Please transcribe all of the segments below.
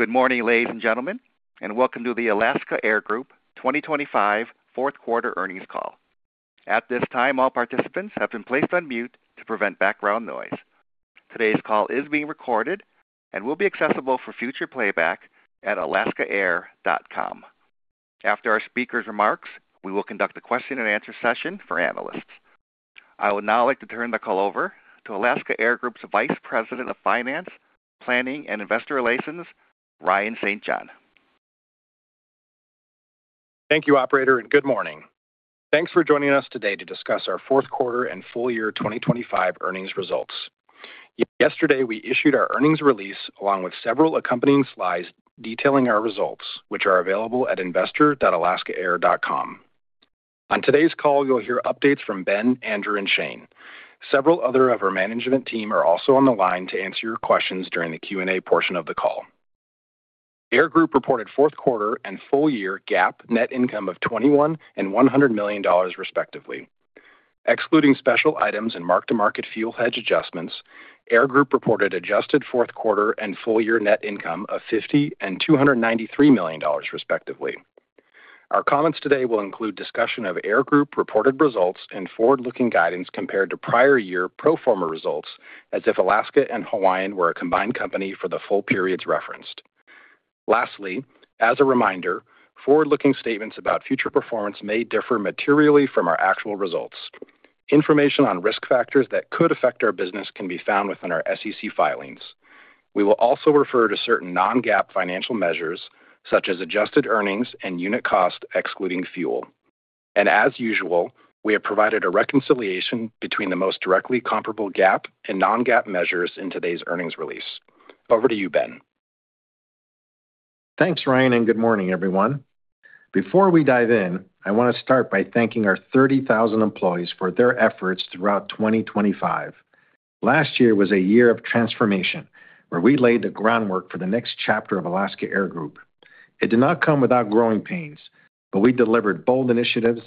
Good morning, ladies and gentlemen, and welcome to the Alaska Air Group 2025 Fourth Quarter Earnings Call. At this time, all participants have been placed on mute to prevent background noise. Today's call is being recorded and will be accessible for future playback at alaskaair.com. After our speakers' remarks, we will conduct a question-and-answer session for analysts. I would now like to turn the call over to Alaska Air Group's Vice President of Finance, Planning, and Investor Relations, Ryan St. John. Thank you, Operator, and good morning. Thanks for joining us today to discuss our Fourth Quarter and Full Year 2025 Earnings results. Yesterday, we issued our earnings release along with several accompanying slides detailing our results, which are available at investor.alaskaair.com. On today's call, you'll hear updates from Ben, Andrew, and Shane. Several others of our management team are also on the line to answer your questions during the Q&A portion of the call. Air Group reported fourth quarter and full year GAAP net income of $21 million and $100 million, respectively. Excluding special items and mark-to-market fuel hedge adjustments, Air Group reported adjusted fourth quarter and full year net income of $50 million and $293 million, respectively. Our comments today will include discussion of Alaska Air Group reported results and forward-looking guidance compared to prior year pro forma results, as if Alaska and Hawaiian were a combined company for the full periods referenced. Lastly, as a reminder, forward-looking statements about future performance may differ materially from our actual results. Information on risk factors that could affect our business can be found within our SEC filings. We will also refer to certain non-GAAP financial measures, such as adjusted earnings and unit cost, excluding fuel. As usual, we have provided a reconciliation between the most directly comparable GAAP and non-GAAP measures in today's earnings release. Over to you, Ben. Thanks, Ryan, and good morning, everyone. Before we dive in, I want to start by thanking our 30,000 employees for their efforts throughout 2025. Last year was a year of transformation, where we laid the groundwork for the next chapter of Alaska Air Group. It did not come without growing pains, but we delivered bold initiatives,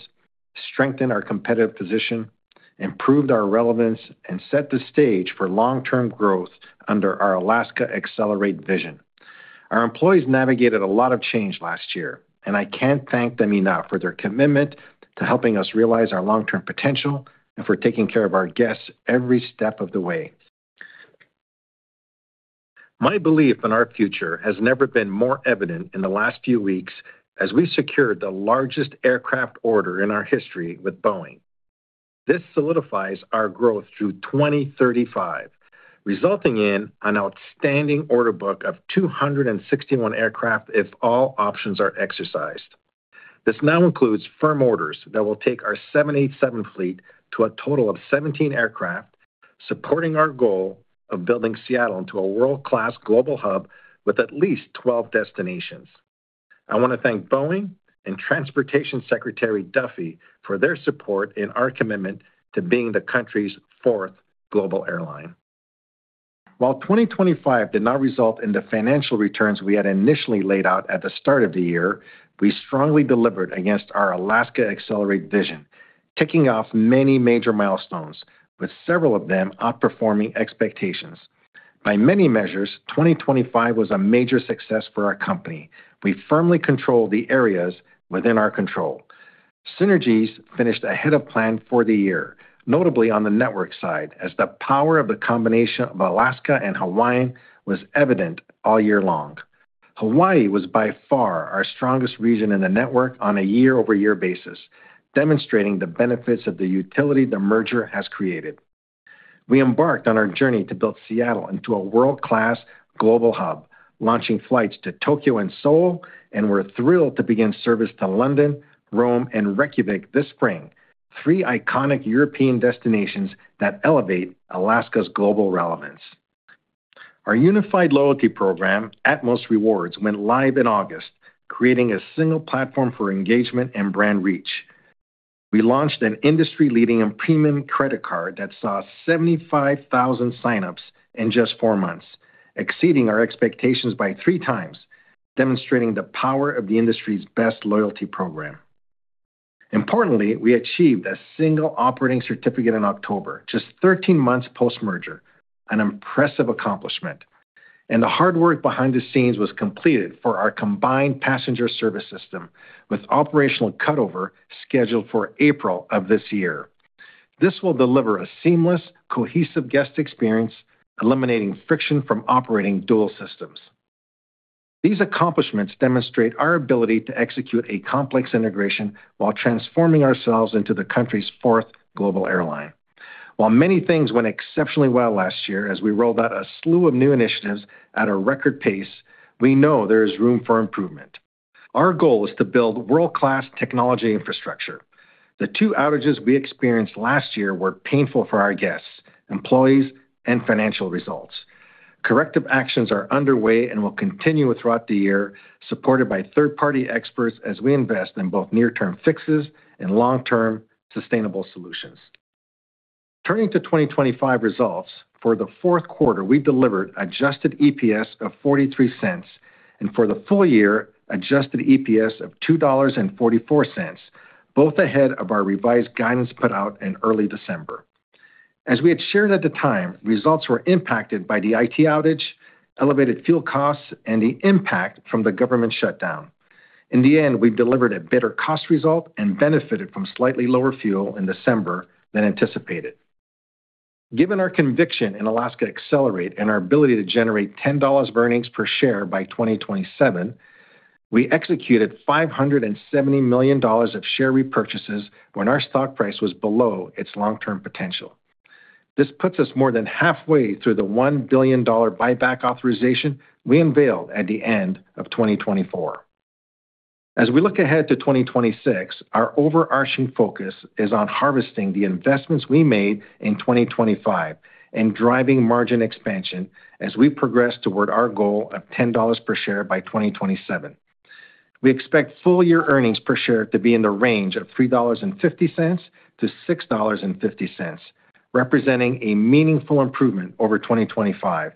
strengthened our competitive position, improved our relevance, and set the stage for long-term growth under our Alaska Accelerate vision. Our employees navigated a lot of change last year, and I can't thank them enough for their commitment to helping us realize our long-term potential and for taking care of our guests every step of the way. My belief in our future has never been more evident in the last few weeks as we secured the largest aircraft order in our history with Boeing. This solidifies our growth through 2035, resulting in an outstanding order book of 261 aircraft if all options are exercised. This now includes firm orders that will take our 787 fleet to a total of 17 aircraft, supporting our goal of building Seattle into a world-class global hub with at least 12 destinations. I want to thank Boeing and Transportation Secretary Duffy for their support in our commitment to being the country's fourth global airline. While 2025 did not result in the financial returns we had initially laid out at the start of the year, we strongly delivered against our Alaska Accelerate vision, ticking off many major milestones, with several of them outperforming expectations. By many measures, 2025 was a major success for our company. We firmly controlled the areas within our control. Synergies finished ahead of plan for the year, notably on the network side, as the power of the combination of Alaska and Hawaiian was evident all year long. Hawaii was by far our strongest region in the network on a year-over-year basis, demonstrating the benefits of the utility the merger has created. We embarked on our journey to build Seattle into a world-class global hub, launching flights to Tokyo and Seoul, and we're thrilled to begin service to London, Rome, and Reykjavik this spring, three iconic European destinations that elevate Alaska's global relevance. Our unified loyalty program, Atmos Rewards, went live in August, creating a single platform for engagement and brand reach. We launched an industry-leading and premium credit card that saw 75,000 sign-ups in just four months, exceeding our expectations by three times, demonstrating the power of the industry's best loyalty program. Importantly, we achieved a single operating certificate in October, just 13 months post-merger, an impressive accomplishment. The hard work behind the scenes was completed for our combined passenger service system, with operational cutover scheduled for April of this year. This will deliver a seamless, cohesive guest experience, eliminating friction from operating dual systems. These accomplishments demonstrate our ability to execute a complex integration while transforming ourselves into the country's fourth global airline. While many things went exceptionally well last year as we rolled out a slew of new initiatives at a record pace, we know there is room for improvement. Our goal is to build world-class technology infrastructure. The two outages we experienced last year were painful for our guests, employees, and financial results. Corrective actions are underway and will continue throughout the year, supported by third-party experts as we invest in both near-term fixes and long-term sustainable solutions. Turning to 2025 results, for the fourth quarter, we delivered adjusted EPS of $0.43, and for the full year, adjusted EPS of $2.44, both ahead of our revised guidance put out in early December. As we had shared at the time, results were impacted by the IT outage, elevated fuel costs, and the impact from the government shutdown. In the end, we delivered a better cost result and benefited from slightly lower fuel in December than anticipated. Given our conviction in Alaska Accelerate and our ability to generate $10 of earnings per share by 2027, we executed $570 million of share repurchases when our stock price was below its long-term potential. This puts us more than halfway through the $1 billion buyback authorization we unveiled at the end of 2024. As we look ahead to 2026, our overarching focus is on harvesting the investments we made in 2025 and driving margin expansion as we progress toward our goal of $10 per share by 2027. We expect full year earnings per share to be in the range of $3.50-$6.50, representing a meaningful improvement over 2025.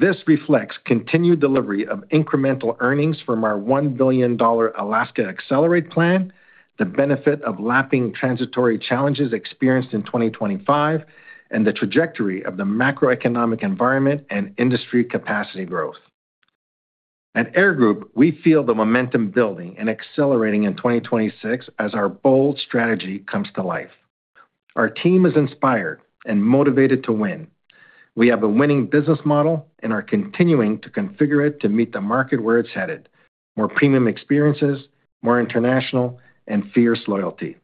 This reflects continued delivery of incremental earnings from our $1 billion Alaska Accelerate plan, the benefit of lapping transitory challenges experienced in 2025, and the trajectory of the macroeconomic environment and industry capacity growth. At Alaska Air Group, we feel the momentum building and accelerating in 2026 as our bold strategy comes to life. Our team is inspired and motivated to win. We have a winning business model, and are continuing to configure it to meet the market where it's headed: more premium experiences, more international, and fierce loyalty.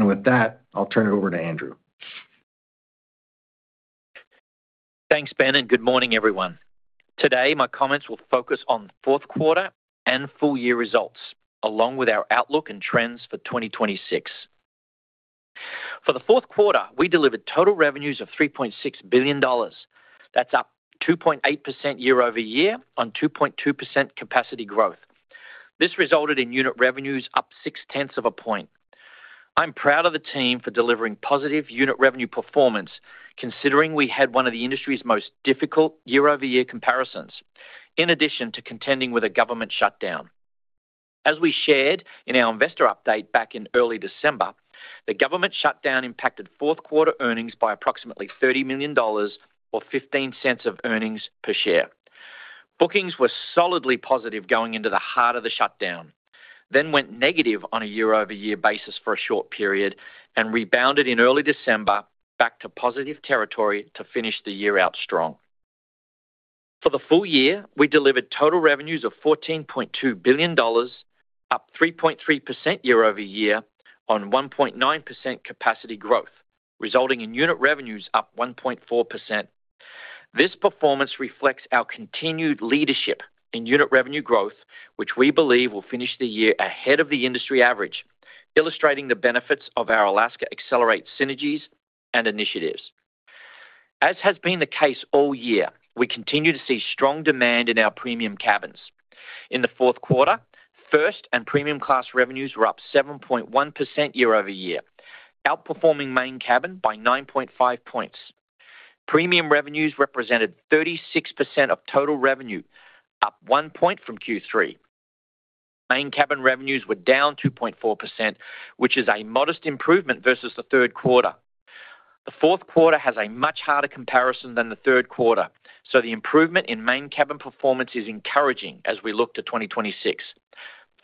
With that, I'll turn it over to Andrew. Thanks, Ben, and good morning, everyone. Today, my comments will focus on fourth quarter and full year results, along with our outlook and trends for 2026. For the Fourth Quarter, we delivered total revenues of $3.6 billion. That's up 2.8% year-over-year on 2.2% capacity growth. This resulted in unit revenues up 0.6 of a point. I'm proud of the team for delivering positive unit revenue performance, considering we had one of the industry's most difficult year-over-year comparisons, in addition to contending with a government shutdown. As we shared in our investor update back in early December, the government shutdown impacted fourth quarter earnings by approximately $30 million, or $0.15 of earnings per share. Bookings were solidly positive going into the heart of the shutdown, then went negative on a year-over-year basis for a short period and rebounded in early December back to positive territory to finish the year out strong. For the full year, we delivered total revenues of $14.2 billion, up 3.3% year-over-year on 1.9% capacity growth, resulting in unit revenues up 1.4%. This performance reflects our continued leadership in unit revenue growth, which we believe will finish the year ahead of the industry average, illustrating the benefits of our Alaska Accelerate synergies and initiatives. As has been the case all year, we continue to see strong demand in our premium cabins. In the fourth quarter, first and premium class revenues were up 7.1% year-over-year, outperforming Main Cabin by 9.5 points. Premium revenues represented 36% of total revenue, up one point from Q3. Main cabin revenues were down 2.4%, which is a modest improvement versus the third quarter. The fourth quarter has a much harder comparison than the third quarter, so the improvement in Main Cabin performance is encouraging as we look to 2026.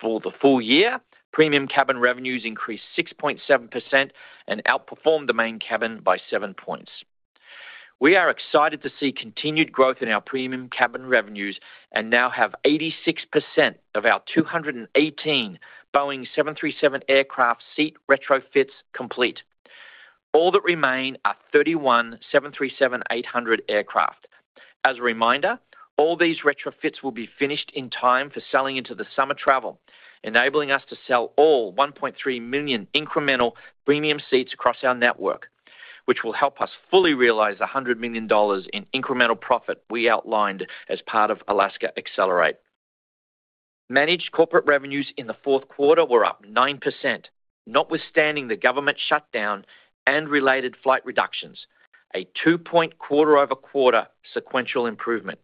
For the full year, premium cabin revenues increased 6.7% and outperformed the Main Cabin by seven points. We are excited to see continued growth in our premium cabin revenues and now have 86% of our 218 Boeing 737 aircraft seat retrofits complete. All that remain are 31 737-800 aircraft. As a reminder, all these retrofits will be finished in time for selling into the summer travel, enabling us to sell all 1.3 million incremental premium seats across our network, which will help us fully realize $100 million in incremental profit we outlined as part of Alaska Accelerate. Managed corporate revenues in the fourth quarter were up 9%, notwithstanding the government shutdown and related flight reductions, a 2-point quarter-over-quarter sequential improvement.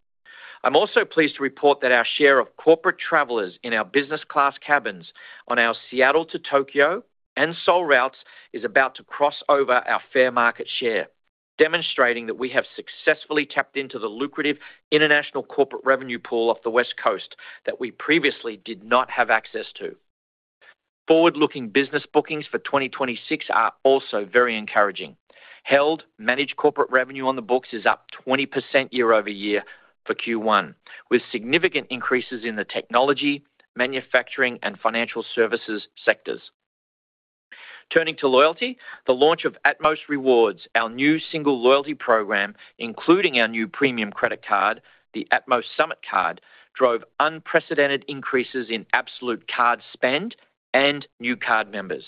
I'm also pleased to report that our share of corporate travelers in our business class cabins on our Seattle to Tokyo and Seoul routes is about to cross over our fair market share, demonstrating that we have successfully tapped into the lucrative international corporate revenue pool off the West Coast that we previously did not have access to. Forward-looking business bookings for 2026 are also very encouraging. Held managed corporate revenue on the books is up 20% year-over-year for Q1, with significant increases in the technology, manufacturing, and financial services sectors. Turning to loyalty, the launch of Atmos Rewards, our new single loyalty program, including our new premium credit card, the Atmos Summit Card, drove unprecedented increases in absolute card spend and new card members.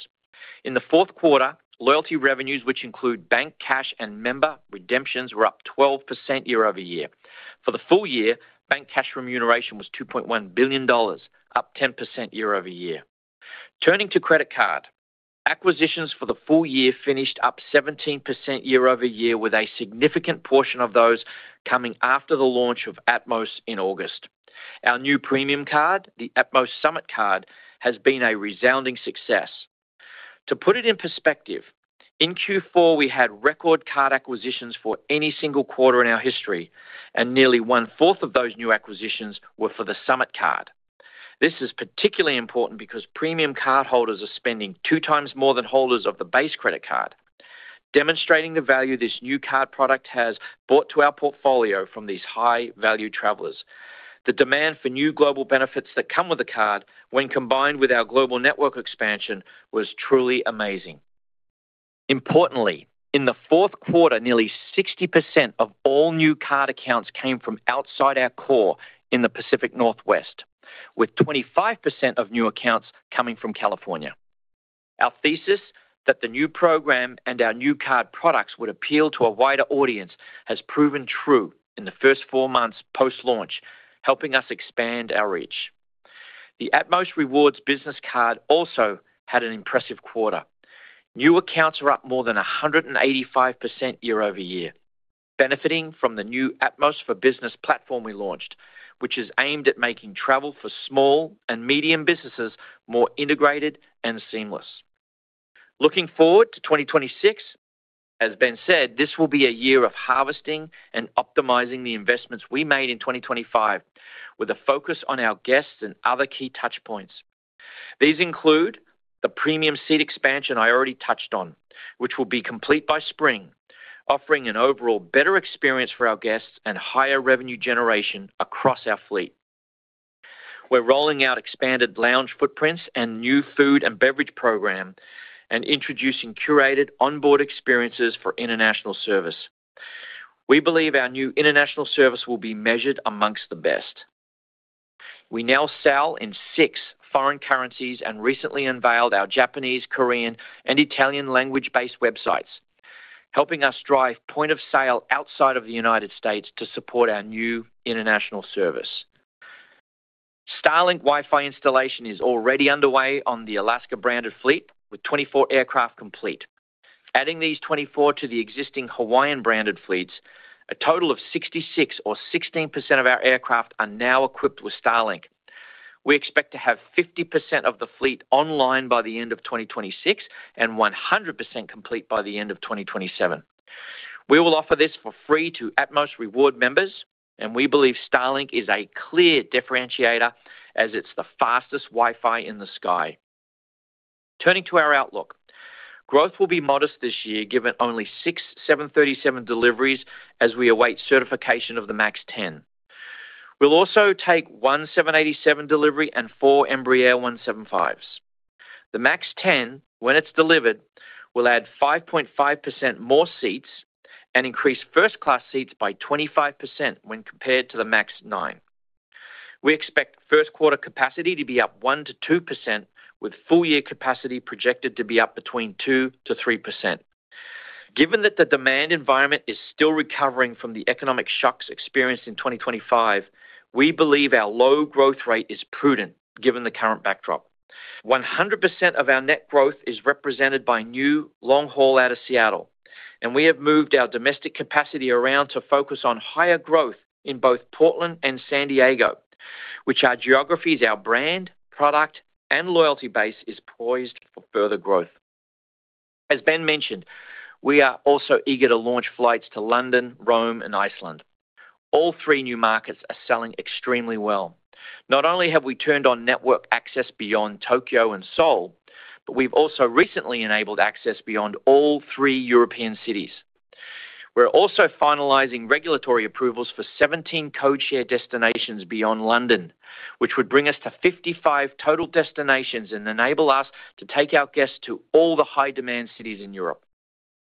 In the fourth quarter, loyalty revenues, which include bank cash and member redemptions, were up 12% year-over-year. For the full year, bank cash remuneration was $2.1 billion, up 10% year-over-year. Turning to credit card, acquisitions for the full year finished up 17% year-over-year, with a significant portion of those coming after the launch of Atmos in August. Our new premium card, the Atmos Summit Card, has been a resounding success. To put it in perspective, in Q4, we had record card acquisitions for any single quarter in our history, and nearly one-fourth of those new acquisitions were for the Summit Card. This is particularly important because premium cardholders are spending two times more than holders of the base credit card, demonstrating the value this new card product has brought to our portfolio from these high-value travelers. The demand for new global benefits that come with the card, when combined with our global network expansion, was truly amazing. Importantly, in the fourth quarter, nearly 60% of all new card accounts came from outside our core in the Pacific Northwest, with 25% of new accounts coming from California. Our thesis that the new program and our new card products would appeal to a wider audience has proven true in the first four months post-launch, helping us expand our reach. The Atmos Rewards Business Card also had an impressive quarter. New accounts are up more than 185% year-over-year, benefiting from the new Atmos for Business platform we launched, which is aimed at making travel for small and medium businesses more integrated and seamless. Looking forward to 2026, as Ben said, this will be a year of harvesting and optimizing the investments we made in 2025, with a focus on our guests and other key touchpoints. These include the premium seat expansion I already touched on, which will be complete by spring, offering an overall better experience for our guests and higher revenue generation across our fleet. We're rolling out expanded lounge footprints and new food and beverage program, and introducing curated onboard experiences for international service. We believe our new international service will be measured amongst the best. We now sell in six foreign currencies and recently unveiled our Japanese, Korean, and Italian language-based websites, helping us drive point of sale outside of the United States to support our new international service. Starlink Wi-Fi installation is already underway on the Alaska-branded fleet, with 24 aircraft complete. Adding these 24 to the existing Hawaiian-branded fleets, a total of 66, or 16% of our aircraft are now equipped with Starlink. We expect to have 50% of the fleet online by the end of 2026 and 100% complete by the end of 2027. We will offer this for free to Atmos Rewards members, and we believe Starlink is a clear differentiator as it's the fastest Wi-Fi in the sky. Turning to our outlook, growth will be modest this year, given only 6 737 deliveries as we await certification of the MAX 10. We'll also take one 787 delivery and 4 Embraer 175s. The MAX 10, when it's delivered, will add 5.5% more seats and increase first-class seats by 25% when compared to the MAX 9. We expect first-quarter capacity to be up 1%-2%, with full-year capacity projected to be up between 2%-3%. Given that the demand environment is still recovering from the economic shocks experienced in 2025, we believe our low growth rate is prudent given the current backdrop. 100% of our net growth is represented by new long-haul out of Seattle, and we have moved our domestic capacity around to focus on higher growth in both Portland and San Diego, which are geographies our brand, product, and loyalty base is poised for further growth. As Ben mentioned, we are also eager to launch flights to London, Rome, and Iceland. All three new markets are selling extremely well. Not only have we turned on network access beyond Tokyo and Seoul, but we've also recently enabled access beyond all three European cities. We're also finalizing regulatory approvals for 17 codeshare destinations beyond London, which would bring us to 55 total destinations and enable us to take our guests to all the high-demand cities in Europe.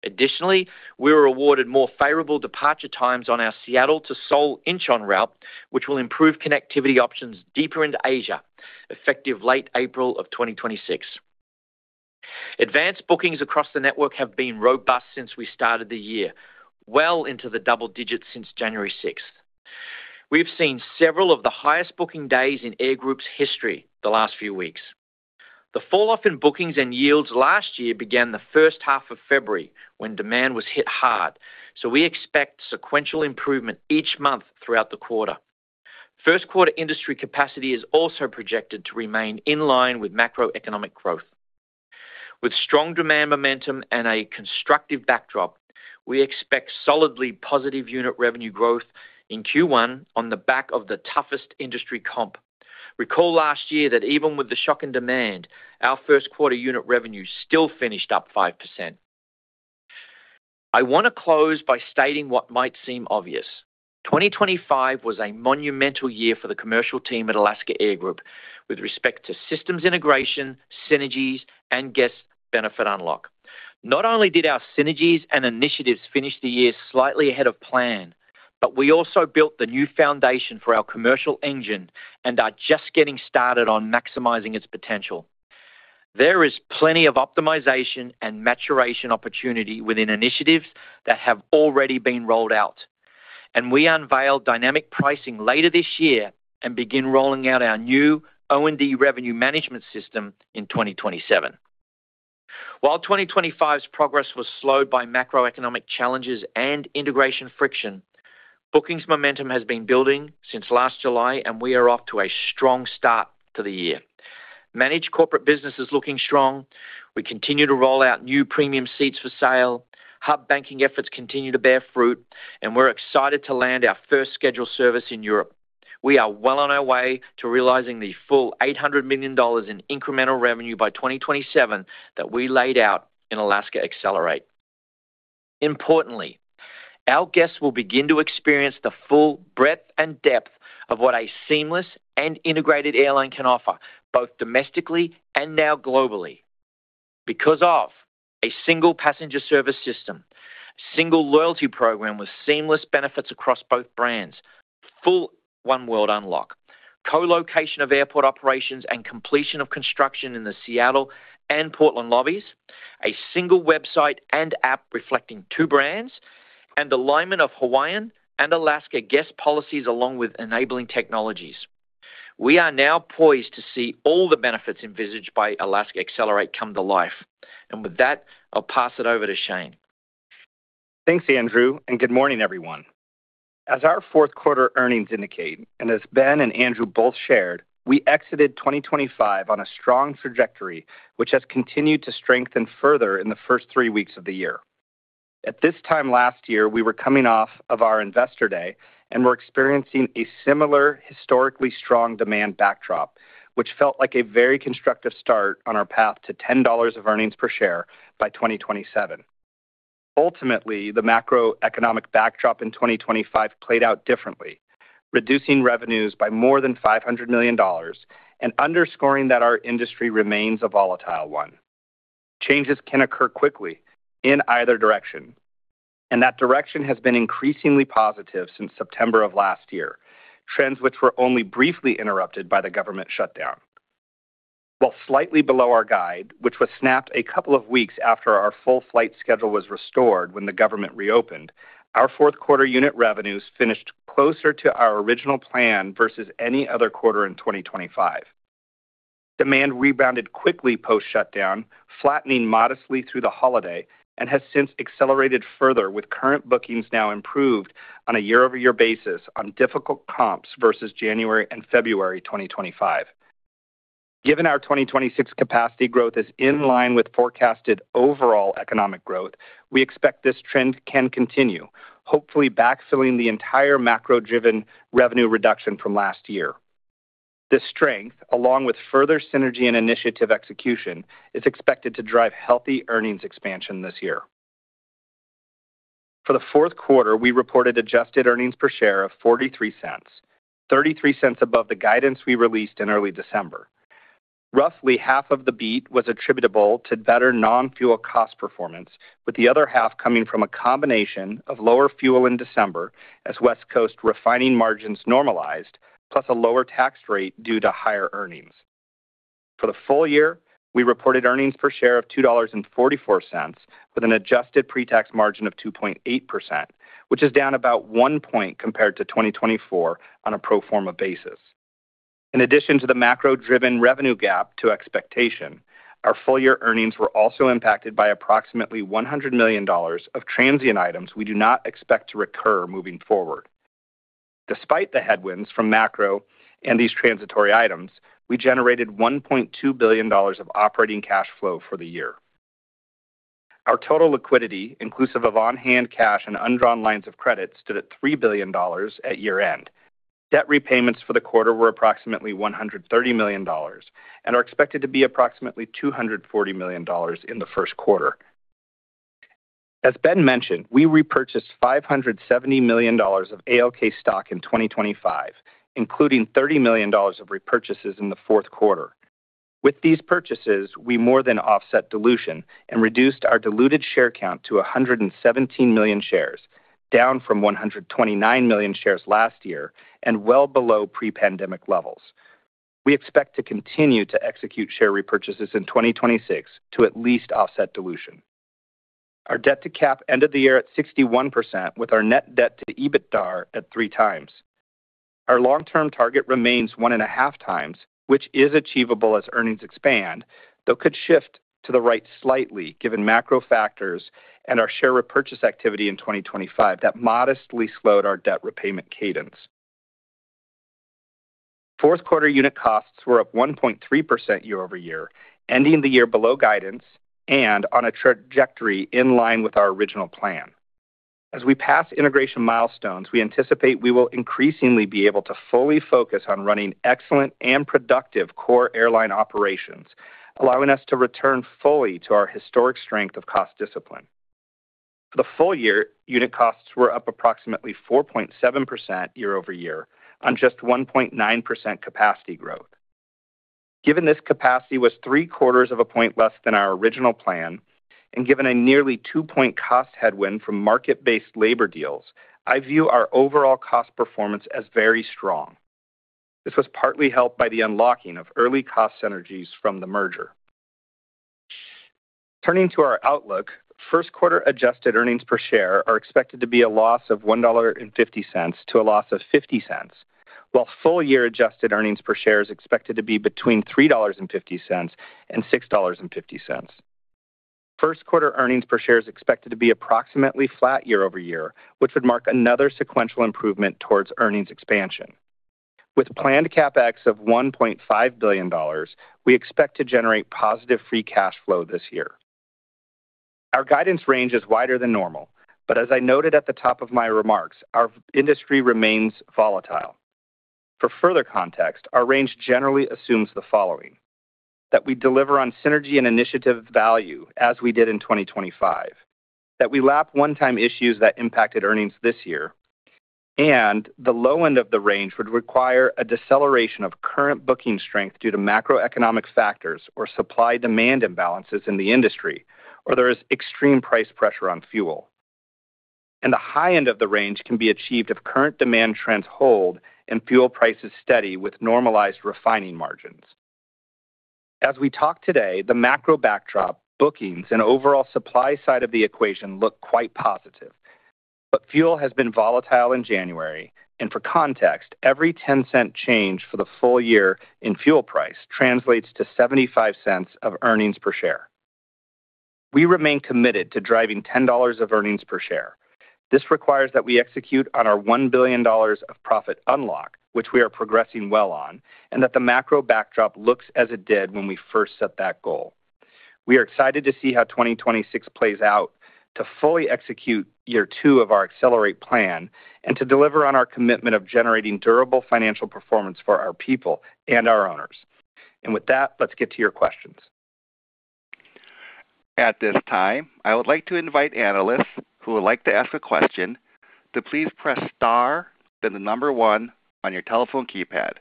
Additionally, we were awarded more favorable departure times on our Seattle to Seoul Incheon route, which will improve connectivity options deeper into Asia, effective late April of 2026. Advanced bookings across the network have been robust since we started the year, well into the double digits since January 6th. We've seen several of the highest booking days in Air Group's history the last few weeks. The falloff in bookings and yields last year began the first half of February when demand was hit hard, so we expect sequential improvement each month throughout the quarter. First-quarter industry capacity is also projected to remain in line with macroeconomic growth. With strong demand momentum and a constructive backdrop, we expect solidly positive unit revenue growth in Q1 on the back of the toughest industry comp. Recall last year that even with the shock in demand, our first-quarter unit revenue still finished up 5%. I want to close by stating what might seem obvious: 2025 was a monumental year for the commercial team at Alaska Air Group, with respect to systems integration, synergies, and guest benefit unlock. Not only did our synergies and initiatives finish the year slightly ahead of plan, but we also built the new foundation for our commercial engine and are just getting started on maximizing its potential. There is plenty of optimization and maturation opportunity within initiatives that have already been rolled out, and we unveil dynamic pricing later this year and begin rolling out our new O&D revenue management system in 2027. While 2025's progress was slowed by macroeconomic challenges and integration friction, bookings momentum has been building since last July, and we are off to a strong start to the year. Managed corporate business is looking strong. We continue to roll out new premium seats for sale, hub banking efforts continue to bear fruit, and we're excited to land our first scheduled service in Europe. We are well on our way to realizing the full $800 million in incremental revenue by 2027 that we laid out in Alaska Accelerate. Importantly, our guests will begin to experience the full breadth and depth of what a seamless and integrated airline can offer, both domestically and now globally. Because of a single passenger service system, single loyalty program with seamless benefits across both brands, full oneworld unlock, co-location of airport operations and completion of construction in the Seattle and Portland lobbies, a single website and app reflecting two brands, and alignment of Hawaiian and Alaska guest policies along with enabling technologies. We are now poised to see all the benefits envisaged by Alaska Accelerate come to life. And with that, I'll pass it over to Shane. Thanks, Andrew, and good morning, everyone. As our fourth-quarter earnings indicate, and as Ben and Andrew both shared, we exited 2025 on a strong trajectory, which has continued to strengthen further in the first three weeks of the year. At this time last year, we were coming off of our investor day, and we're experiencing a similar historically strong demand backdrop, which felt like a very constructive start on our path to $10 of earnings per share by 2027. Ultimately, the macroeconomic backdrop in 2025 played out differently, reducing revenues by more than $500 million and underscoring that our industry remains a volatile one. Changes can occur quickly in either direction, and that direction has been increasingly positive since September of last year, trends which were only briefly interrupted by the government shutdown. While slightly below our guide, which was set a couple of weeks after our full flight schedule was restored when the government reopened, our fourth-quarter unit revenues finished closer to our original plan versus any other quarter in 2025. Demand rebounded quickly post-shutdown, flattening modestly through the holiday, and has since accelerated further, with current bookings now improved on a year-over-year basis on difficult comps versus January and February 2025. Given our 2026 capacity growth is in line with forecasted overall economic growth, we expect this trend can continue, hopefully backfilling the entire macro-driven revenue reduction from last year. This strength, along with further synergy and initiative execution, is expected to drive healthy earnings expansion this year. For the Fourth Quarter, we reported adjusted earnings per share of $0.43, $0.33 above the guidance we released in early December. Roughly half of the beat was attributable to better non-fuel cost performance, with the other half coming from a combination of lower fuel in December as West Coast refining margins normalized, plus a lower tax rate due to higher earnings. For the full year, we reported earnings per share of $2.44, with an adjusted pre-tax margin of 2.8%, which is down about one point compared to 2024 on a pro forma basis. In addition to the macro-driven revenue gap to expectation, our full-year earnings were also impacted by approximately $100 million of transient items we do not expect to recur moving forward. Despite the headwinds from macro and these transitory items, we generated $1.2 billion of operating cash flow for the year. Our total liquidity, inclusive of on-hand cash and undrawn lines of credit, stood at $3 billion at year-end. Debt repayments for the quarter were approximately $130 million and are expected to be approximately $240 million in the first quarter. As Ben mentioned, we repurchased $570 million of ALK stock in 2025, including $30 million of repurchases in the fourth quarter. With these purchases, we more than offset dilution and reduced our diluted share count to 117 million shares, down from 129 million shares last year and well below pre-pandemic levels. We expect to continue to execute share repurchases in 2026 to at least offset dilution. Our Debt-to-Cap ended the year at 61%, with our Net Debt to EBITDA at 3 times. Our long-term target remains 1.5 times, which is achievable as earnings expand, though could shift to the right slightly given macro factors and our share repurchase activity in 2025 that modestly slowed our debt repayment cadence. Fourth-quarter unit costs were up 1.3% year-over-year, ending the year below guidance and on a trajectory in line with our original plan. As we pass integration milestones, we anticipate we will increasingly be able to fully focus on running excellent and productive core airline operations, allowing us to return fully to our historic strength of cost discipline. For the full year, unit costs were up approximately 4.7% year-over-year on just 1.9% capacity growth. Given this capacity was three-quarters of a point less than our original plan, and given a nearly two-point cost headwind from market-based labor deals, I view our overall cost performance as very strong. This was partly helped by the unlocking of early cost synergies from the merger. Turning to our outlook, first-quarter adjusted earnings per share are expected to be a loss of $1.50-$0.50, while full-year adjusted earnings per share is expected to be between $3.50 and $6.50. First-quarter earnings per share is expected to be approximately flat year-over-year, which would mark another sequential improvement towards earnings expansion. With planned CapEx of $1.5 billion, we expect to generate positive free cash flow this year. Our guidance range is wider than normal, but as I noted at the top of my remarks, our industry remains volatile. For further context, our range generally assumes the following: that we deliver on synergy and initiative value as we did in 2025, that we lap one-time issues that impacted earnings this year, and the low end of the range would require a deceleration of current booking strength due to macroeconomic factors or supply-demand imbalances in the industry, or there is extreme price pressure on fuel. And the high end of the range can be achieved if current demand trends hold and fuel prices steady with normalized refining margins. As we talk today, the macro backdrop, bookings, and overall supply side of the equation look quite positive, but fuel has been volatile in January, and for context, every $0.10 change for the full year in fuel price translates to $0.75 of earnings per share. We remain committed to driving $10 of earnings per share. This requires that we execute on our $1 billion of profit unlock, which we are progressing well on, and that the macro backdrop looks as it did when we first set that goal. We are excited to see how 2026 plays out to fully execute year two of our Accelerate plan and to deliver on our commitment of generating durable financial performance for our people and our owners. With that, let's get to your questions. At this time, I would like to invite analysts who would like to ask a question to please press star then the number one on your telephone keypad.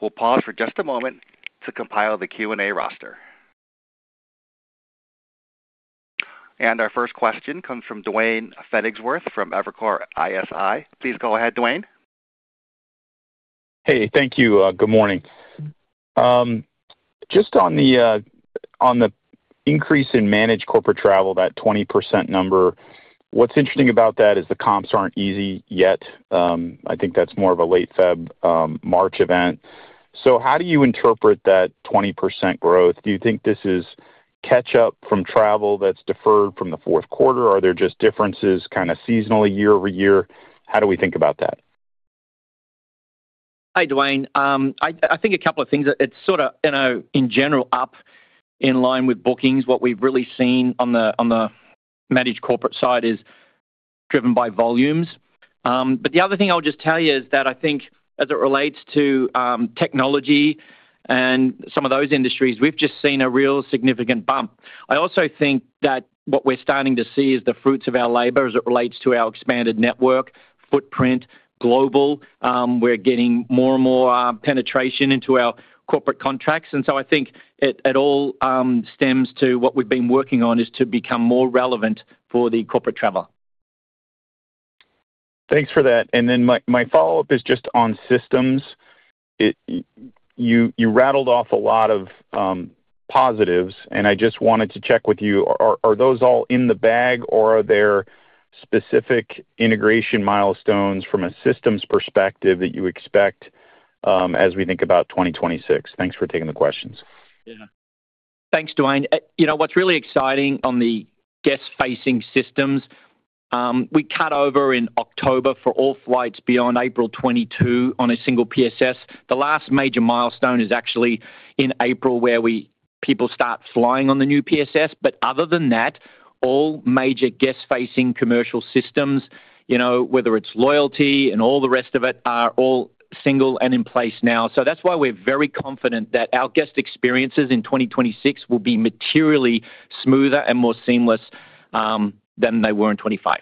We'll pause for just a moment to compile the Q&A roster. Our first question comes from Duane Pfennigwerth from Evercore ISI. Please go ahead, Duane. Hey, thank you. Good morning. Just on the increase in managed corporate travel, that 20% number, what's interesting about that is the comps aren't easy yet. I think that's more of a late February, March event. So how do you interpret that 20% growth? Do you think this is catch-up from travel that's deferred from the fourth quarter? Are there just differences kind of seasonally, year-over-year? How do we think about that? Hi, Duane. I think a couple of things. It's sort of, in general, up in line with bookings. What we've really seen on the managed corporate side is driven by volumes. But the other thing I'll just tell you is that I think as it relates to technology and some of those industries, we've just seen a real significant bump. I also think that what we're starting to see is the fruits of our labor as it relates to our expanded network, footprint, global. We're getting more and more penetration into our corporate contracts. And so I think it all stems to what we've been working on is to become more relevant for the corporate travel. Thanks for that. And then my follow-up is just on systems. You rattled off a lot of positives, and I just wanted to check with you, are those all in the bag, or are there specific integration milestones from a systems perspective that you expect as we think about 2026? Thanks for taking the questions. Yeah. Thanks, Duane. What's really exciting on the guest-facing systems, we cut over in October for all flights beyond April 22 on a single PSS. The last major milestone is actually in April where people start flying on the new PSS. But other than that, all major guest-facing commercial systems, whether it's loyalty and all the rest of it, are all single and in place now. So that's why we're very confident that our guest experiences in 2026 will be materially smoother and more seamless than they were in 2025.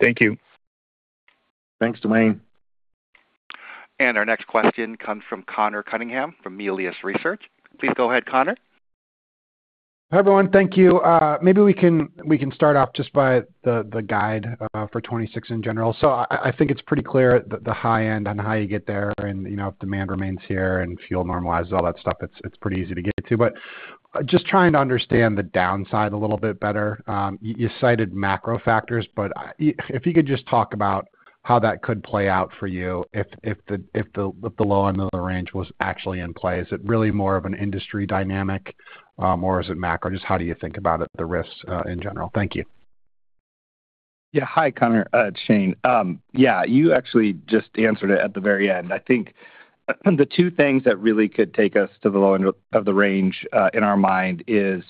Thank you. Thanks, Duane. Our next question comes from Conor Cunningham from Melius Research. Please go ahead, Conor. Hi, everyone. Thank you. Maybe we can start off just by the guide for 2026 in general. So I think it's pretty clear the high end on how you get there and if demand remains here and fuel normalizes, all that stuff, it's pretty easy to get to. But just trying to understand the downside a little bit better, you cited macro factors, but if you could just talk about how that could play out for you if the low end of the range was actually in play, is it really more of an industry dynamic, or is it macro? Just how do you think about it, the risks in general? Thank you. Yeah. Hi, Conor, Shane. Yeah, you actually just answered it at the very end. I think the two things that really could take us to the low end of the range in our mind is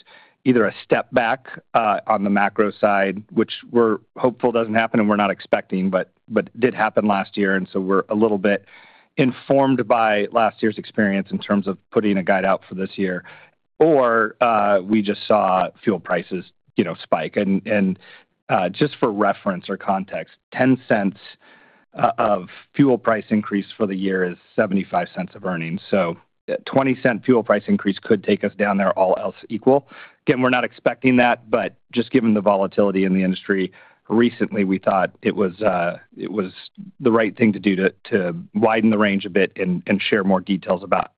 either a step back on the macro side, which we're hopeful doesn't happen and we're not expecting, but did happen last year, and so we're a little bit informed by last year's experience in terms of putting a guide out for this year, or we just saw fuel prices spike. And just for reference or context, $0.10 of fuel price increase for the year is $0.75 of earnings. So $0.20 fuel price increase could take us down there, all else equal. Again, we're not expecting that, but just given the volatility in the industry recently, we thought it was the right thing to do to widen the range a bit and share more details about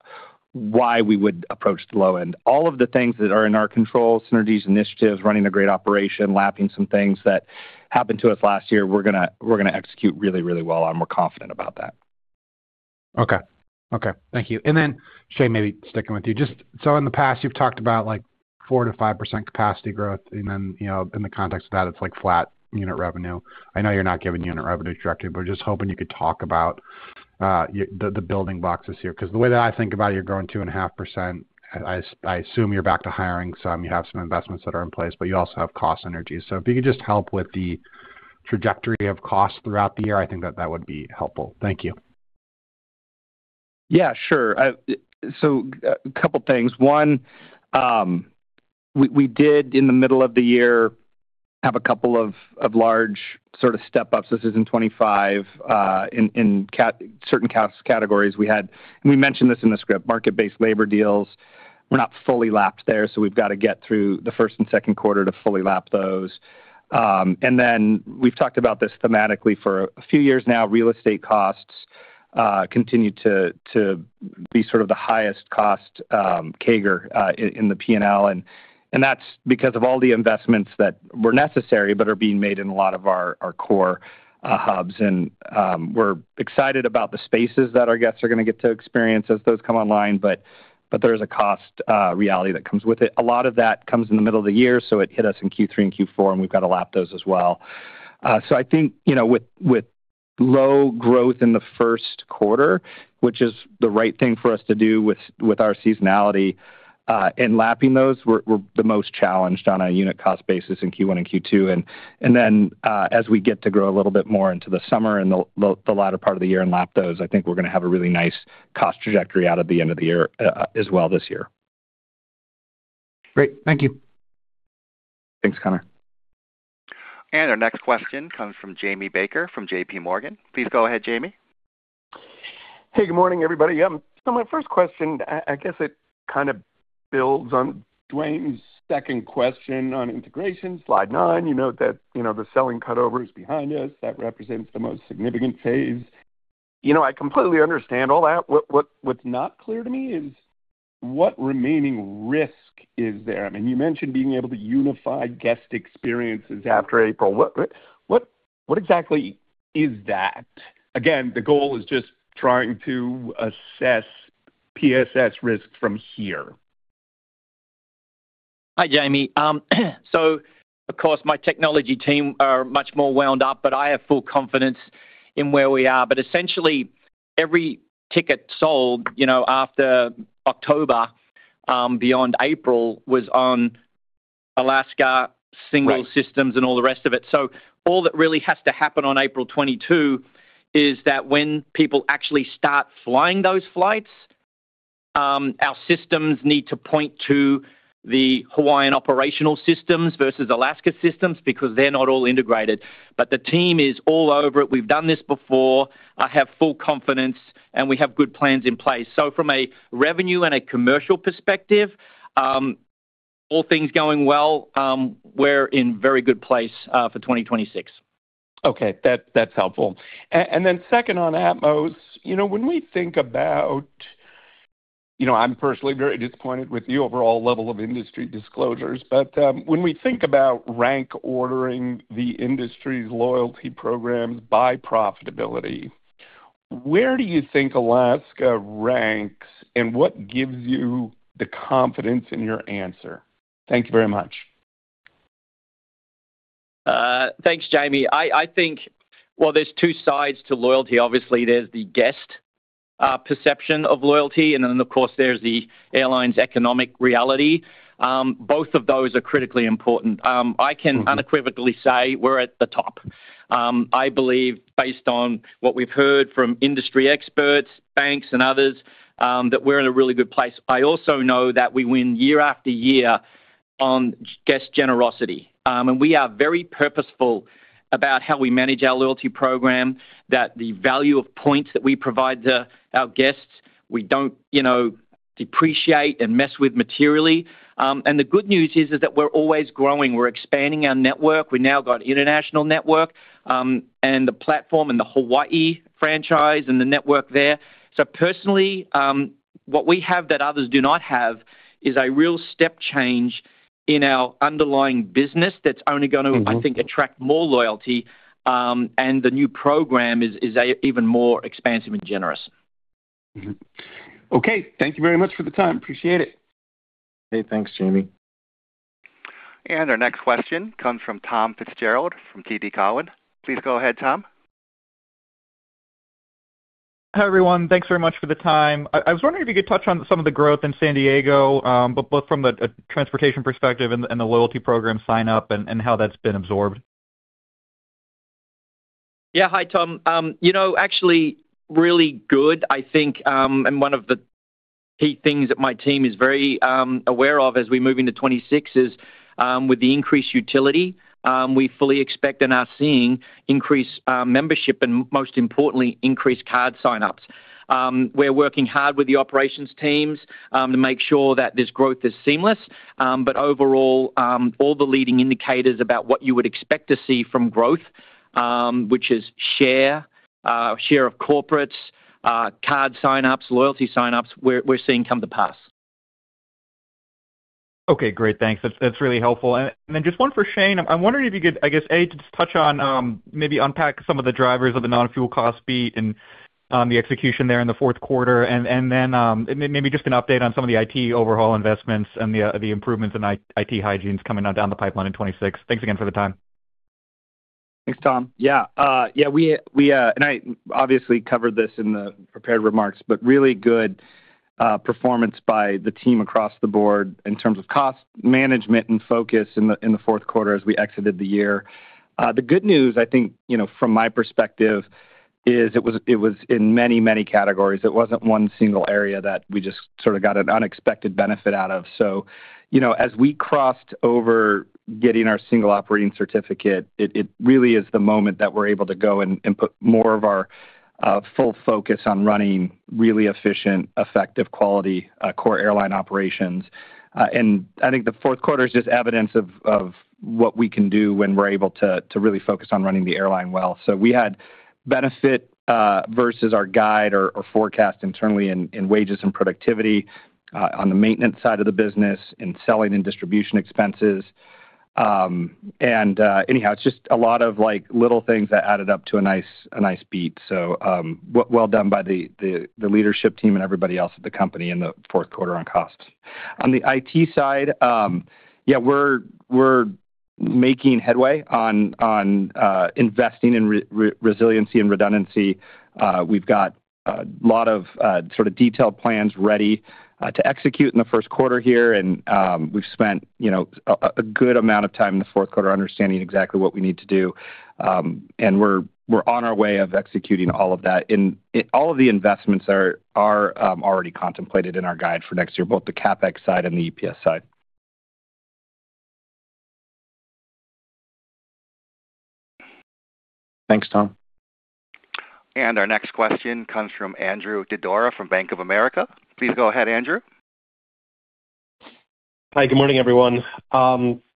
why we would approach the low end. All of the things that are in our control, synergies, initiatives, running a great operation, lapping some things that happened to us last year, we're going to execute really, really well on. We're confident about that. Okay. Okay. Thank you. And then, Shane, maybe sticking with you. Just so in the past, you've talked about 4%-5% capacity growth, and then in the context of that, it's flat unit revenue. I know you're not giving unit revenue directly, but just hoping you could talk about the building blocks this year. Because the way that I think about it, you're growing 2.5%. I assume you're back to hiring some. You have some investments that are in place, but you also have cost synergies. So if you could just help with the trajectory of cost throughout the year, I think that that would be helpful. Thank you. Yeah, sure. So a couple of things. One, we did in the middle of the year have a couple of large sort of step-ups. This is in 2025 in certain categories. We mentioned this in the script, market-based labor deals. We're not fully lapped there, so we've got to get through the first and second quarter to fully lap those. And then we've talked about this thematically for a few years now. Real estate costs continue to be sort of the highest cost CAGR in the P&L. And that's because of all the investments that were necessary but are being made in a lot of our core hubs. And we're excited about the spaces that our guests are going to get to experience as those come online, but there is a cost reality that comes with it. A lot of that comes in the middle of the year, so it hit us in Q3 and Q4, and we've got to lap those as well. So I think with low growth in the first quarter, which is the right thing for us to do with our seasonality and lapping those, we're the most challenged on a unit cost basis in Q1 and Q2. And then as we get to grow a little bit more into the summer and the latter part of the year and lap those, I think we're going to have a really nice cost trajectory out of the end of the year as well this year. Great. Thank you. Thanks, Conor. And our next question comes from Jamie Baker from JPMorgan. Please go ahead, Jamie. Hey, good morning, everybody. So my first question, I guess it kind of builds on Duane's second question on integration, slide 9. You note that the selling cutover is behind us. That represents the most significant phase. I completely understand all that. What's not clear to me is what remaining risk is there. I mean, you mentioned being able to unify guest experiences after April. What exactly is that? Again, the goal is just trying to assess PSS risk from here. Hi, Jamie. So, of course, my technology team are much more wound up, but I have full confidence in where we are. But essentially, every ticket sold after October, beyond April, was on Alaska single systems and all the rest of it. So all that really has to happen on April 22 is that when people actually start flying those flights, our systems need to point to the Hawaiian operational systems versus Alaska systems because they're not all integrated. But the team is all over it. We've done this before. I have full confidence, and we have good plans in place. So from a revenue and a commercial perspective, all things going well, we're in a very good place for 2026. Okay. That's helpful. And then second on that, now, when we think about—I'm personally very disappointed with the overall level of industry disclosures, but when we think about rank ordering the industry's loyalty programs by profitability, where do you think Alaska ranks and what gives you the confidence in your answer? Thank you very much. Thanks, Jamie. I think, well, there's two sides to loyalty. Obviously, there's the guest perception of loyalty, and then, of course, there's the airline's economic reality. Both of those are critically important. I can unequivocally say we're at the top. I believe, based on what we've heard from industry experts, banks, and others, that we're in a really good place. I also know that we win year after year on guest generosity. And we are very purposeful about how we manage our loyalty program, that the value of points that we provide to our guests, we don't depreciate and mess with materially. And the good news is that we're always growing. We're expanding our network. We've now got an international network and the platform and the Hawaii franchise and the network there. So personally, what we have that others do not have is a real step change in our underlying business that's only going to, I think, attract more loyalty, and the new program is even more expansive and generous. Okay. Thank you very much for the time. Appreciate it. Hey, thanks, Jamie. And our next question comes from Tom Fitzgerald from TD Cowen. Please go ahead, Tom. Hi, everyone. Thanks very much for the time. I was wondering if you could touch on some of the growth in San Diego, but both from a transportation perspective and the loyalty program sign-up and how that's been absorbed. Yeah. Hi, Tom. Actually, really good, I think. And one of the key things that my team is very aware of as we move into 2026 is with the increased utility, we fully expect and are seeing increased membership and, most importantly, increased card sign-ups. We're working hard with the operations teams to make sure that this growth is seamless. But overall, all the leading indicators about what you would expect to see from growth, which is share, share of corporates, card sign-ups, loyalty sign-ups, we're seeing come to pass. Okay. Great. Thanks. That's really helpful. And then just one for Shane. I'm wondering if you could, I guess, A, just touch on maybe unpack some of the drivers of the non-fuel cost beat and the execution there in the fourth quarter. And then maybe just an update on some of the IT overhaul investments and the improvements in IT hygiene coming on down the pipeline in 2026. Thanks again for the time. Thanks, Tom. Yeah. Yeah. I obviously covered this in the prepared remarks, but really good performance by the team across the board in terms of cost management and focus in the fourth quarter as we exited the year. The good news, I think, from my perspective, is it was in many, many categories. It wasn't one single area that we just sort of got an unexpected benefit out of. As we crossed over getting our single operating certificate, it really is the moment that we're able to go and put more of our full focus on running really efficient, effective, quality core airline operations. I think the fourth quarter is just evidence of what we can do when we're able to really focus on running the airline well. So we had benefit versus our guide or forecast internally in wages and productivity on the maintenance side of the business and selling and distribution expenses. And anyhow, it's just a lot of little things that added up to a nice beat. So well done by the leadership team and everybody else at the company in the fourth quarter on costs. On the IT side, yeah, we're making headway on investing in resiliency and redundancy. We've got a lot of sort of detailed plans ready to execute in the first quarter here. And we've spent a good amount of time in the fourth quarter understanding exactly what we need to do. And we're on our way of executing all of that. And all of the investments are already contemplated in our guide for next year, both the CapEx side and the EPS side. Thanks, Tom. And our next question comes from Andrew Didora from Bank of America. Please go ahead, Andrew. Hi, good morning, everyone.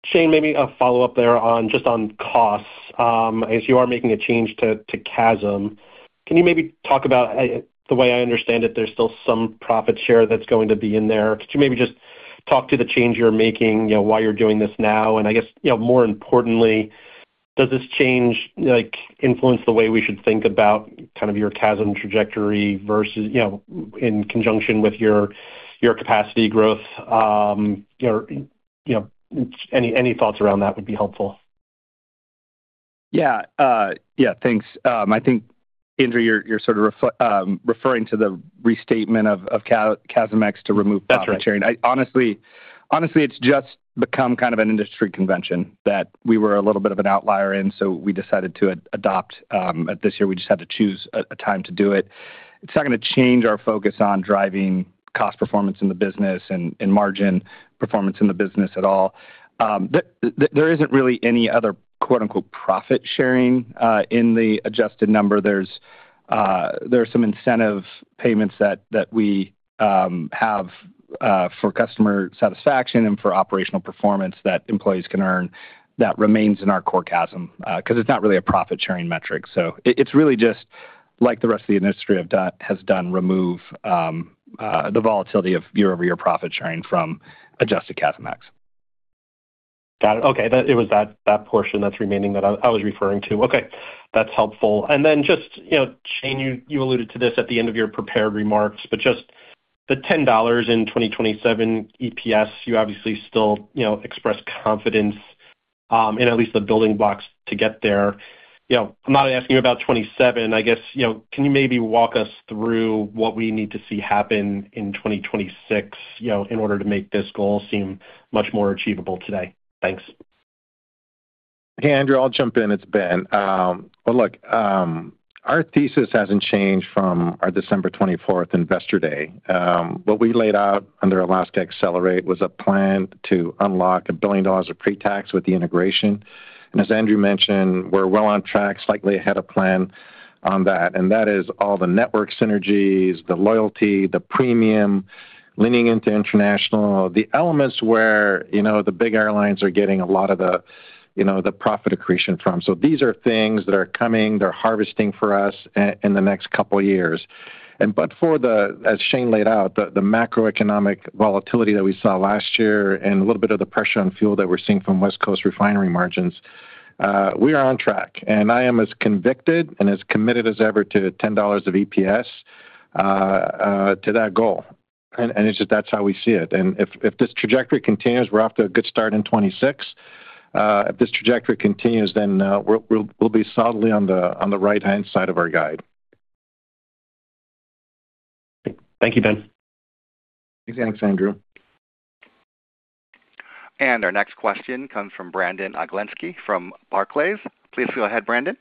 Shane, maybe a follow-up there just on costs. As you are making a change to CASM, can you maybe talk about the way I understand it, there's still some profit share that's going to be in there. Could you maybe just talk to the change you're making, why you're doing this now? And I guess, more importantly, does this change influence the way we should think about kind of your CASM trajectory versus in conjunction with your capacity growth? Any thoughts around that would be helpful. Yeah. Yeah. Thanks. I think, Andrew, you're sort of referring to the restatement of CASM-ex to remove power chain. Honestly, it's just become kind of an industry convention that we were a little bit of an outlier in, so we decided to adopt. This year, we just had to choose a time to do it. It's not going to change our focus on driving cost performance in the business and margin performance in the business at all. There isn't really any other "profit sharing" in the adjusted number. There are some incentive payments that we have for customer satisfaction and for operational performance that employees can earn that remains in our core CASM because it's not really a profit sharing metric. So it's really just like the rest of the industry has done, remove the volatility of year-over-year profit sharing from adjusted CASM-ex. Got it. Okay. It was that portion that's remaining that I was referring to. Okay. That's helpful. And then just, Shane, you alluded to this at the end of your prepared remarks, but just the $10 in 2027 EPS, you obviously still express confidence in at least the building blocks to get there. I'm not asking you about 2027. I guess, can you maybe walk us through what we need to see happen in 2026 in order to make this goal seem much more achievable today? Thanks. Hey, Andrew, I'll jump in. It's Ben. Well, look, our thesis hasn't changed from our December 24th Investor Day. What we laid out under Alaska Accelerate was a plan to unlock $1 billion of pre-tax with the integration. And as Andrew mentioned, we're well on track, slightly ahead of plan on that. That is all the network synergies, the loyalty, the premium, leaning into international, the elements where the big airlines are getting a lot of the profit accretion from. So these are things that are coming. They're harvesting for us in the next couple of years. But for the, as Shane laid out, the macroeconomic volatility that we saw last year and a little bit of the pressure on fuel that we're seeing from West Coast refinery margins, we are on track. And I am as convicted and as committed as ever to $10 of EPS to that goal. And that's how we see it. And if this trajectory continues, we're off to a good start in 2026. If this trajectory continues, then we'll be solidly on the right-hand side of our guide. Thank you, Ben. Thanks, Andrew. And our next question comes from Brandon Oglenski from Barclays. Please go ahead, Brandon.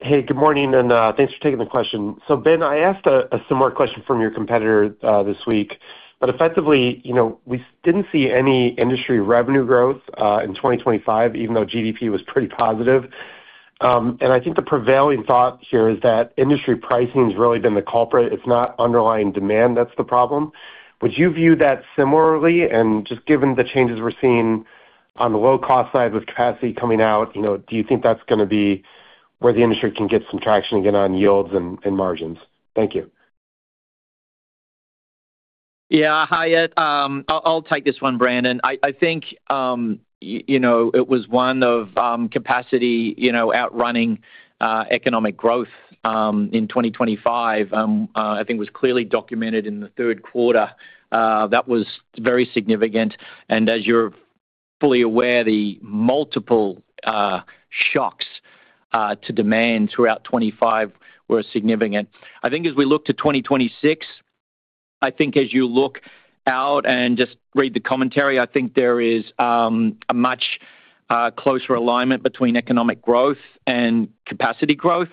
Hey, good morning, and thanks for taking the question. So, Ben, I asked a similar question from your competitor this week, but effectively, we didn't see any industry revenue growth in 2025, even though GDP was pretty positive. And I think the prevailing thought here is that industry pricing has really been the culprit. It's not underlying demand that's the problem. Would you view that similarly? And just given the changes we're seeing on the low-cost side with capacity coming out, do you think that's going to be where the industry can get some traction again on yields and margins? Thank you. Yeah. Hi, I'll take this one, Brandon. I think it was one of capacity outrunning economic growth in 2025. I think it was clearly documented in the third quarter. That was very significant. As you're fully aware, the multiple shocks to demand throughout 2025 were significant. I think as we look to 2026, I think as you look out and just read the commentary, I think there is a much closer alignment between economic growth and capacity growth.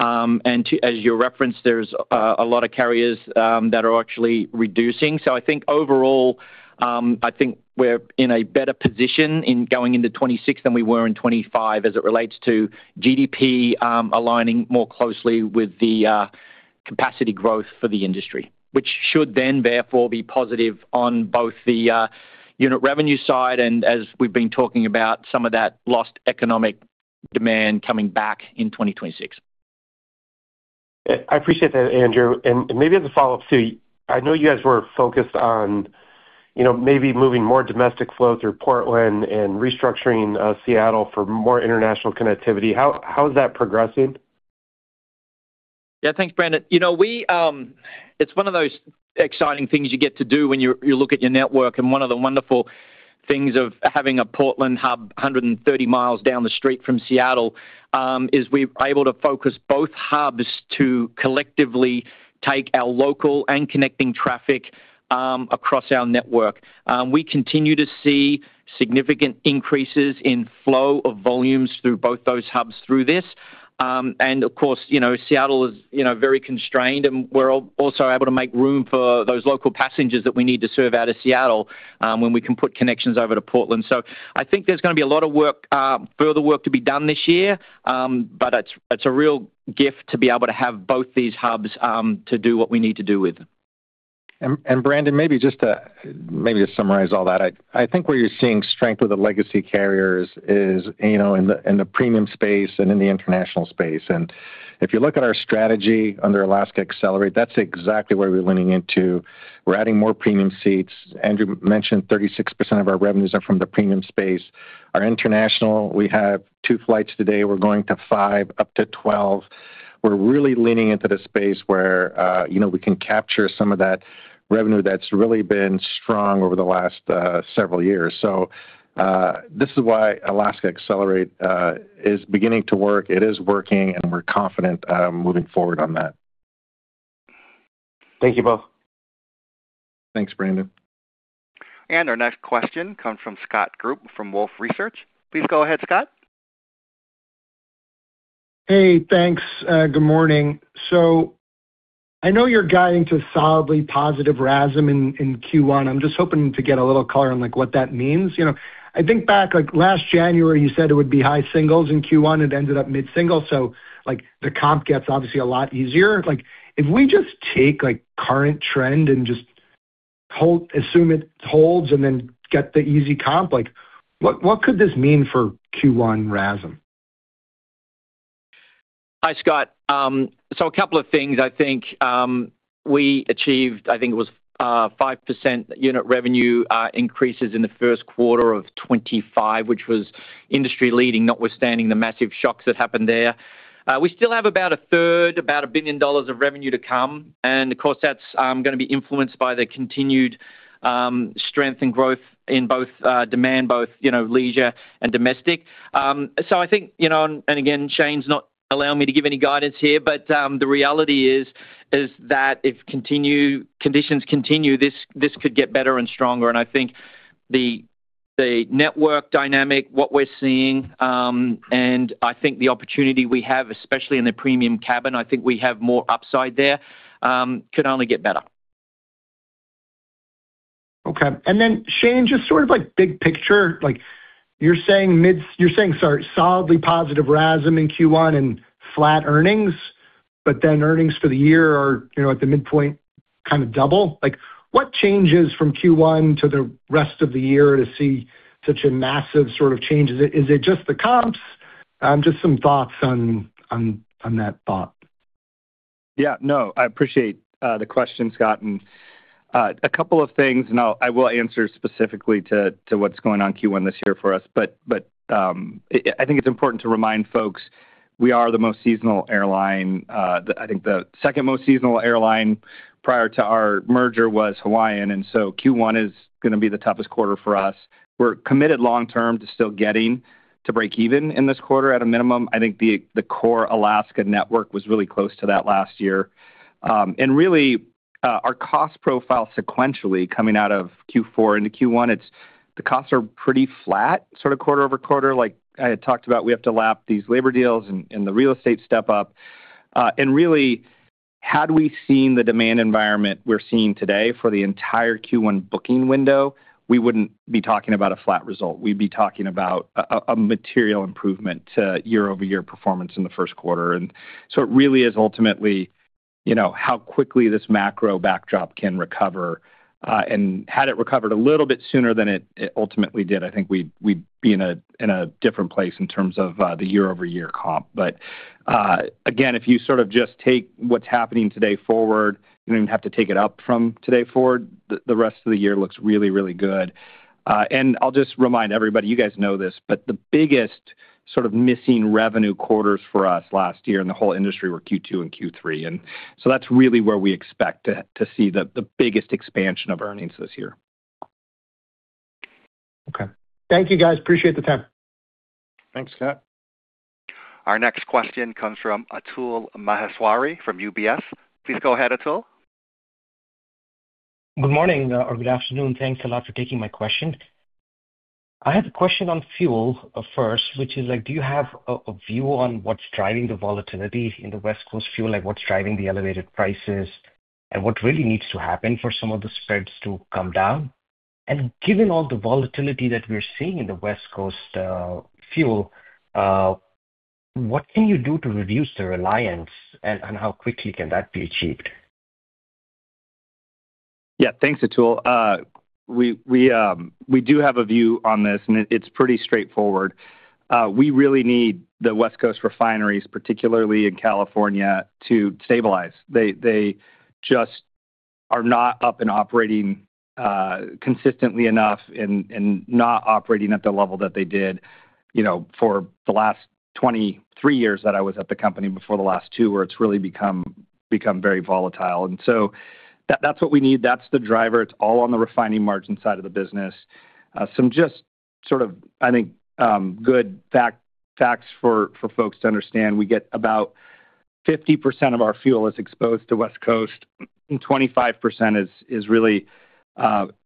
As you referenced, there's a lot of carriers that are actually reducing. Overall, I think we're in a better position going into 2026 than we were in 2025 as it relates to GDP aligning more closely with the capacity growth for the industry, which should then therefore be positive on both the unit revenue side and, as we've been talking about, some of that lost economic demand coming back in 2026. I appreciate that, Andrew. And maybe as a follow-up, too, I know you guys were focused on maybe moving more domestic flow through Portland and restructuring Seattle for more international connectivity. How is that progressing? Yeah. Thanks, Brandon. It's one of those exciting things you get to do when you look at your network. And one of the wonderful things of having a Portland hub 130 miles down the street from Seattle is we're able to focus both hubs to collectively take our local and connecting traffic across our network. We continue to see significant increases in flow of volumes through both those hubs through this. And of course, Seattle is very constrained, and we're also able to make room for those local passengers that we need to serve out of Seattle when we can put connections over to Portland. So I think there's going to be a lot of further work to be done this year, but it's a real gift to be able to have both these hubs to do what we need to do with them. And Brandon, maybe just to summarize all that, I think where you're seeing strength with the legacy carriers is in the premium space and in the international space. And if you look at our strategy under Alaska Accelerate, that's exactly where we're leaning into. We're adding more premium seats. Andrew mentioned 36% of our revenues are from the premium space. Our international, we have two flights today. We're going to five, up to 12. We're really leaning into the space where we can capture some of that revenue that's really been strong over the last several years. So this is why Alaska Accelerate is beginning to work. It is working, and we're confident moving forward on that. Thank you both. Thanks, Brandon. And our next question comes from Scott Group from Wolfe Research. Please go ahead, Scott. Hey, thanks. Good morning. So I know you're guiding to solidly positive RASM in Q1. I'm just hoping to get a little color on what that means. I think back last January, you said it would be high singles in Q1. It ended up mid-single. So the comp gets obviously a lot easier. If we just take current trend and just assume it holds and then get the easy comp, what could this mean for Q1 RASM? Hi, Scott. So a couple of things. I think we achieved, I think it was 5% unit revenue increases in the first quarter of 2025, which was industry-leading, notwithstanding the massive shocks that happened there. We still have about a third, about $1 billion of revenue to come. And of course, that's going to be influenced by the continued strength and growth in both demand, both leisure and domestic. So I think, and again, Shane's not allowing me to give any guidance here, but the reality is that if conditions continue, this could get better and stronger. And I think the network dynamic, what we're seeing, and I think the opportunity we have, especially in the premium cabin, I think we have more upside there, could only get better. Okay. And then, Shane, just sort of big picture, you're saying, sorry, solidly positive RASM in Q1 and flat earnings, but then earnings for the year are at the midpoint kind of double. What changes from Q1 to the rest of the year to see such a massive sort of change? Is it just the comps? Just some thoughts on that thought. Yeah. No, I appreciate the question, Scott. A couple of things, and I will answer specifically to what's going on Q1 this year for us. But I think it's important to remind folks we are the most seasonal airline. I think the second most seasonal airline prior to our merger was Hawaiian. So Q1 is going to be the toughest quarter for us. We're committed long-term to still getting to break even in this quarter at a minimum. I think the core Alaska network was really close to that last year. Really, our cost profile sequentially coming out of Q4 into Q1, the costs are pretty flat sort of quarter-over-quarter. Like I had talked about, we have to lap these labor deals and the real estate step up. And really, had we seen the demand environment we're seeing today for the entire Q1 booking window, we wouldn't be talking about a flat result. We'd be talking about a material improvement to year-over-year performance in the first quarter. And so it really is ultimately how quickly this macro backdrop can recover. And had it recovered a little bit sooner than it ultimately did, I think we'd be in a different place in terms of the year-over-year comp. But again, if you sort of just take what's happening today forward, you don't even have to take it up from today forward. The rest of the year looks really, really good. And I'll just remind everybody, you guys know this, but the biggest sort of missing revenue quarters for us last year in the whole industry were Q2 and Q3. That's really where we expect to see the biggest expansion of earnings this year. Okay. Thank you, guys. Appreciate the time. Thanks, Scott. Our next question comes from Atul Maheswari from UBS. Please go ahead, Atul. Good morning or good afternoon. Thanks a lot for taking my question. I have a question on fuel first, which is, do you have a view on what's driving the volatility in the West Coast fuel? What's driving the elevated prices and what really needs to happen for some of the spreads to come down? Given all the volatility that we're seeing in the West Coast fuel, what can you do to reduce the reliance and how quickly can that be achieved? Yeah. Thanks, Atul. We do have a view on this, and it's pretty straightforward. We really need the West Coast refineries, particularly in California, to stabilize. They just are not up and operating consistently enough and not operating at the level that they did for the last 23 years that I was at the company before the last two where it's really become very volatile. And so that's what we need. That's the driver. It's all on the refining margin side of the business. Some just sort of, I think, good facts for folks to understand. We get about 50% of our fuel is exposed to West Coast, and 25% is really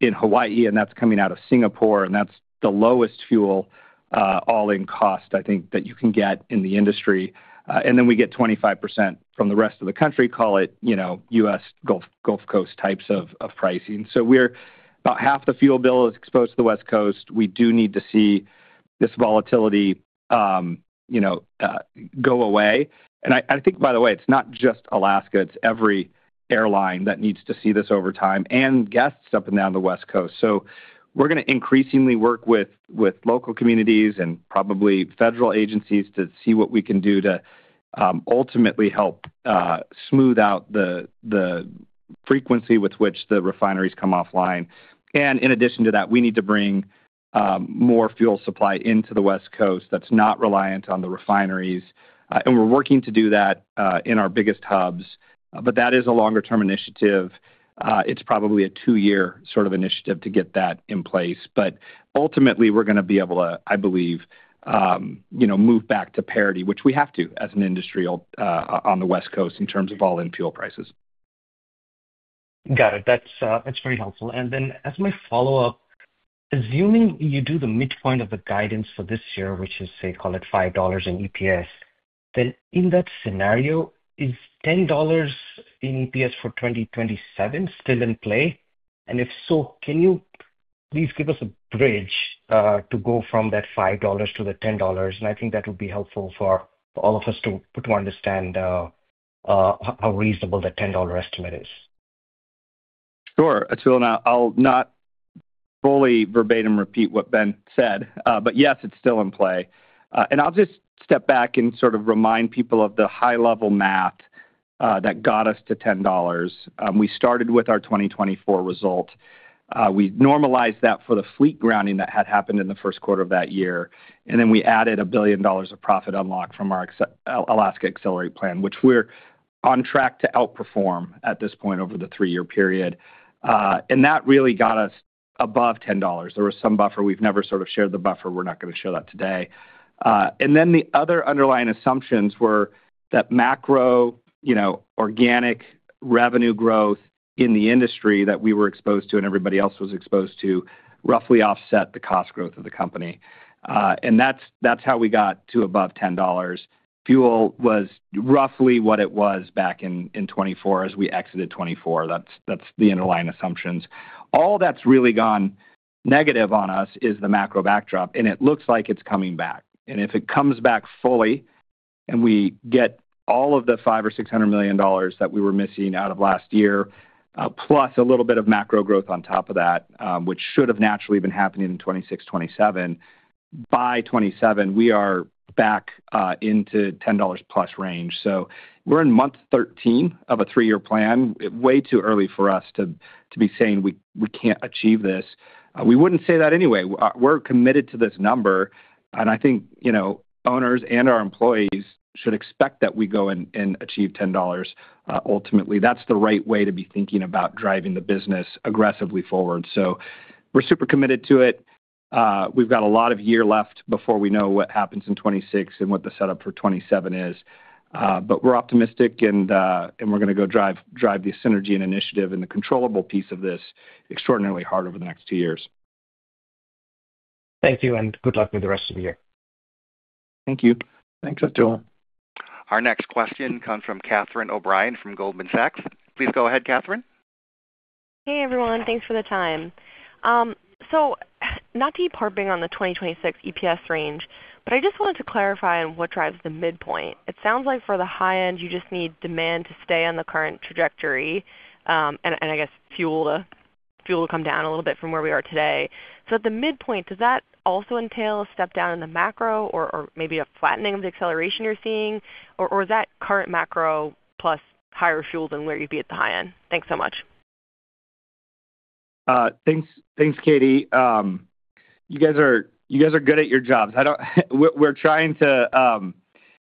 in Hawaii, and that's coming out of Singapore. And that's the lowest fuel all-in cost, I think, that you can get in the industry. And then we get 25% from the rest of the country, call it US Gulf Coast types of pricing. So about half the fuel bill is exposed to the West Coast. We do need to see this volatility go away. And I think, by the way, it's not just Alaska. It's every airline that needs to see this over time and guests up and down the West Coast. So we're going to increasingly work with local communities and probably federal agencies to see what we can do to ultimately help smooth out the frequency with which the refineries come offline. And in addition to that, we need to bring more fuel supply into the West Coast that's not reliant on the refineries. And we're working to do that in our biggest hubs. But that is a longer-term initiative. It's probably a two-year sort of initiative to get that in place. But ultimately, we're going to be able to, I believe, move back to parity, which we have to as an industry on the West Coast in terms of all-in fuel prices. Got it. That's very helpful. And then as my follow-up, assuming you do the midpoint of the guidance for this year, which is, say, call it $5 in EPS, then in that scenario, is $10 in EPS for 2027 still in play? And if so, can you please give us a bridge to go from that $5 to the $10? And I think that would be helpful for all of us to understand how reasonable the $10 estimate is. Sure. Atul, I'll not fully verbatim repeat what Ben said, but yes, it's still in play. And I'll just step back and sort of remind people of the high-level math that got us to $10. We started with our 2024 result. We normalized that for the fleet grounding that had happened in the first quarter of that year. And then we added $1 billion of profit unlocked from our Alaska Accelerate plan, which we're on track to outperform at this point over the three-year period. And that really got us above $10. There was some buffer. We've never sort of shared the buffer. We're not going to show that today. And then the other underlying assumptions were that macro organic revenue growth in the industry that we were exposed to and everybody else was exposed to roughly offset the cost growth of the company. And that's how we got to above $10. Fuel was roughly what it was back in 2024 as we exited 2024. That's the underlying assumptions. All that's really gone negative on us is the macro backdrop. And it looks like it's coming back. If it comes back fully and we get all of the $500 million or $600 million that we were missing out of last year, plus a little bit of macro growth on top of that, which should have naturally been happening in 2026, 2027, by 2027, we are back into $10 plus range. We're in month 13 of a three-year plan. Way too early for us to be saying we can't achieve this. We wouldn't say that anyway. We're committed to this number. I think owners and our employees should expect that we go and achieve $10 ultimately. That's the right way to be thinking about driving the business aggressively forward. We're super committed to it. We've got a lot of year left before we know what happens in 2026 and what the setup for 2027 is. But we're optimistic, and we're going to go drive the synergy and initiative and the controllable piece of this extraordinarily hard over the next two years. Thank you, and good luck with the rest of the year. Thank you. Thanks, Atul. Our next question comes from Catherine O'Brien from Goldman Sachs. Please go ahead, Catherine. Hey, everyone. Thanks for the time. So not to be harping on the 2026 EPS range, but I just wanted to clarify on what drives the midpoint. It sounds like for the high end, you just need demand to stay on the current trajectory and, I guess, fuel to come down a little bit from where we are today. So at the midpoint, does that also entail a step down in the macro or maybe a flattening of the acceleration you're seeing? Or is that current macro plus higher fuel than where you'd be at the high end? Thanks so much. Thanks, Catherine. You guys are good at your jobs. We're trying to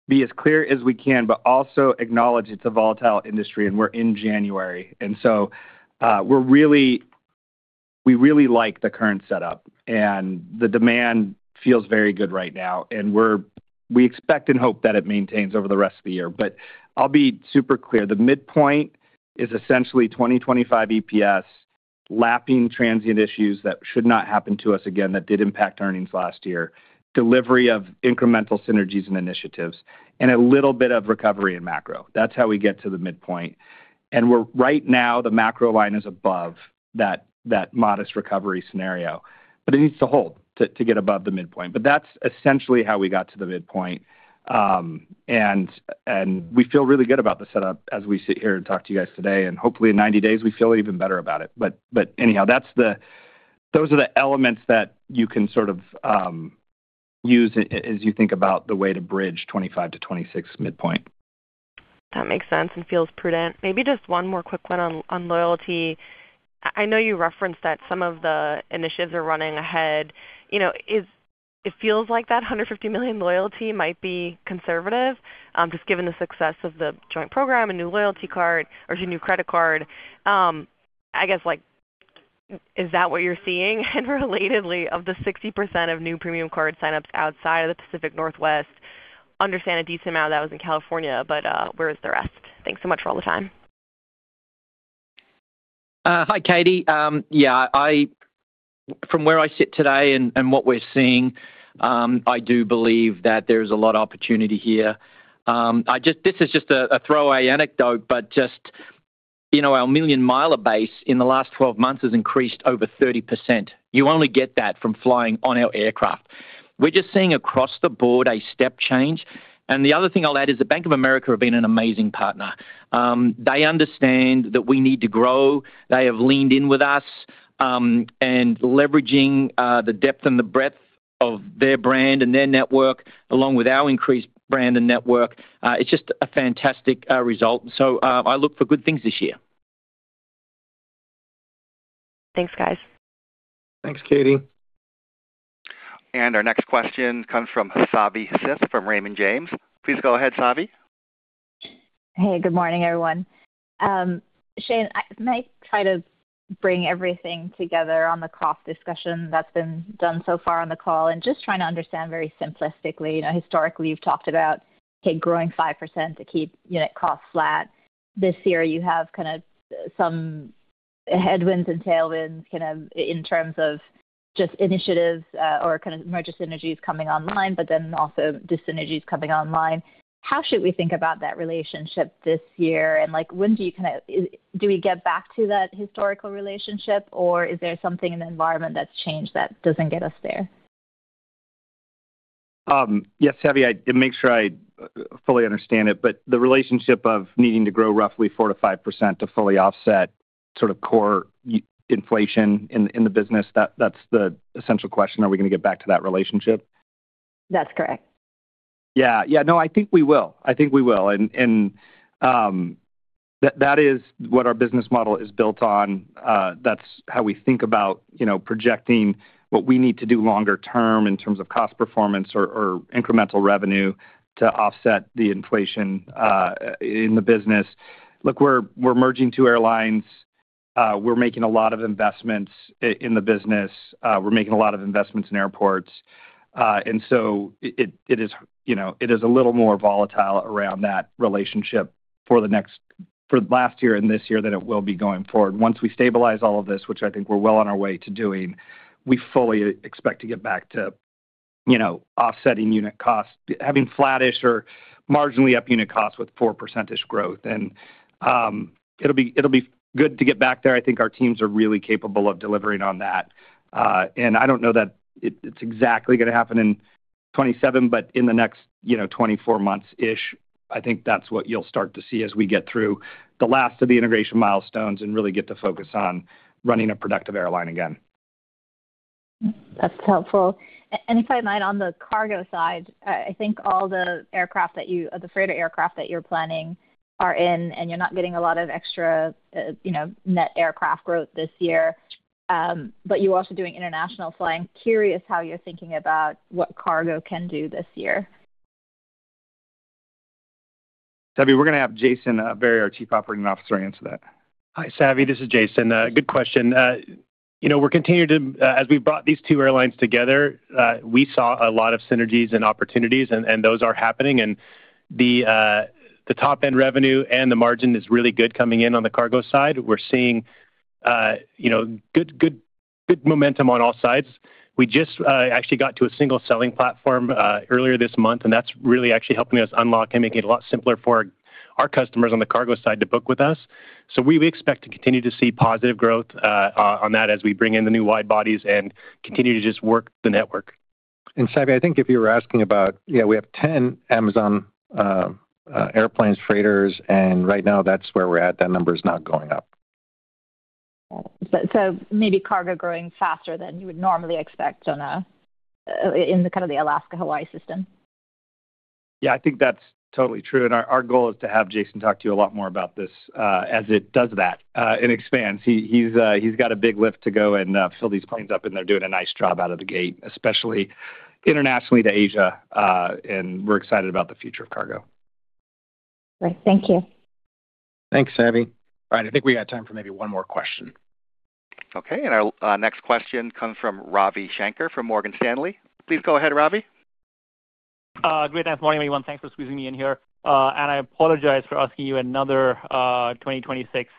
be as clear as we can, but also acknowledge it's a volatile industry, and we're in January. And so we really like the current setup, and the demand feels very good right now. And we expect and hope that it maintains over the rest of the year. But I'll be super clear. The midpoint is essentially 2025 EPS, lapping transient issues that should not happen to us again that did impact earnings last year, delivery of incremental synergies and initiatives, and a little bit of recovery in macro. That's how we get to the midpoint. And right now, the macro line is above that modest recovery scenario, but it needs to hold to get above the midpoint. But that's essentially how we got to the midpoint. And we feel really good about the setup as we sit here and talk to you guys today. And hopefully, in 90 days, we feel even better about it. But anyhow, those are the elements that you can sort of use as you think about the way to bridge 2025-2026 midpoint. That makes sense and feels prudent. Maybe just one more quick one on loyalty. I know you referenced that some of the initiatives are running ahead. It feels like that $150 million loyalty might be conservative, just given the success of the joint program, a new loyalty card, or a new credit card. I guess, is that what you're seeing? And relatedly, of the 60% of new premium card signups outside of the Pacific Northwest, understand a decent amount of that was in California, but where is the rest? Thanks so much for all the time. Hi, Catherine. Yeah. From where I sit today and what we're seeing, I do believe that there's a lot of opportunity here. This is just a throwaway anecdote, but just our Million Miler base in the last 12 months has increased over 30%. You only get that from flying on our aircraft. We're just seeing across the board a step change. And the other thing I'll add is the Bank of America have been an amazing partner. They understand that we need to grow. They have leaned in with us. And leveraging the depth and the breadth of their brand and their network, along with our increased brand and network, it's just a fantastic result. So I look for good things this year. Thanks, guys. Thanks, Catherine And our next question comes from Savanthi Syth from Raymond James. Please go ahead, Savanthi. Hey, good morning, everyone. Shane, may I try to bring everything together on the cost discussion that's been done so far on the call and just trying to understand very simplistically? Historically, you've talked about growing 5% to keep unit costs flat. This year, you have kind of some headwinds and tailwinds kind of in terms of just initiatives or kind of merger synergies coming online, but then also just synergies coming online. How should we think about that relationship this year? And when do you kind of do we get back to that historical relationship, or is there something in the environment that's changed that doesn't get us there? Yes, Savvy, to make sure I fully understand it, but the relationship of needing to grow roughly 4%-5% to fully offset sort of core inflation in the business, that's the essential question. Are we going to get back to that relationship? That's correct. Yeah. Yeah. No, I think we will. I think we will. And that is what our business model is built on. That's how we think about projecting what we need to do longer-term in terms of cost performance or incremental revenue to offset the inflation in the business. Look, we're merging two airlines. We're making a lot of investments in the business. We're making a lot of investments in airports. And so it is a little more volatile around that relationship for the last year and this year than it will be going forward. Once we stabilize all of this, which I think we're well on our way to doing, we fully expect to get back to offsetting unit costs, having flattish or marginally up unit costs with 4%-ish growth. It'll be good to get back there. I think our teams are really capable of delivering on that. I don't know that it's exactly going to happen in 2027, but in the next 24 months-ish, I think that's what you'll start to see as we get through the last of the integration milestones and really get to focus on running a productive airline again. That's helpful. If I might, on the cargo side, I think all the freighter aircraft that you're planning are in, and you're not getting a lot of extra net aircraft growth this year. You're also doing international flying. Curious how you're thinking about what cargo can do this year? Savvy, we're going to have Jason Berry, Chief Operating Officer, answer that. Hi, Savvy. This is Jason. Good question. We're continuing to, as we've brought these two airlines together, we saw a lot of synergies and opportunities, and those are happening. And the top-end revenue and the margin is really good coming in on the cargo side. We're seeing good momentum on all sides. We just actually got to a single selling platform earlier this month, and that's really actually helping us unlock and make it a lot simpler for our customers on the cargo side to book with us. So we expect to continue to see positive growth on that as we bring in the new wide bodies and continue to just work the network. And Savvy, I think if you were asking about, yeah, we have 10 Amazon airplanes, freighters, and right now that's where we're at. That number is not going up. So maybe cargo growing faster than you would normally expect in kind of the Alaska, Hawaii system. Yeah, I think that's totally true. And our goal is to have Jason talk to you a lot more about this as it does that and expands. He's got a big lift to go and fill these planes up, and they're doing a nice job out of the gate, especially internationally to Asia. And we're excited about the future of cargo. All right. Thank you. Thanks, Savvy.All right. I think we got time for maybe one more question. Okay. And our next question comes from Ravi Shanker from Morgan Stanley. Please go ahead, Ravi. Great afternoon, everyone. Thanks for squeezing me in here. I apologize for asking you another 2026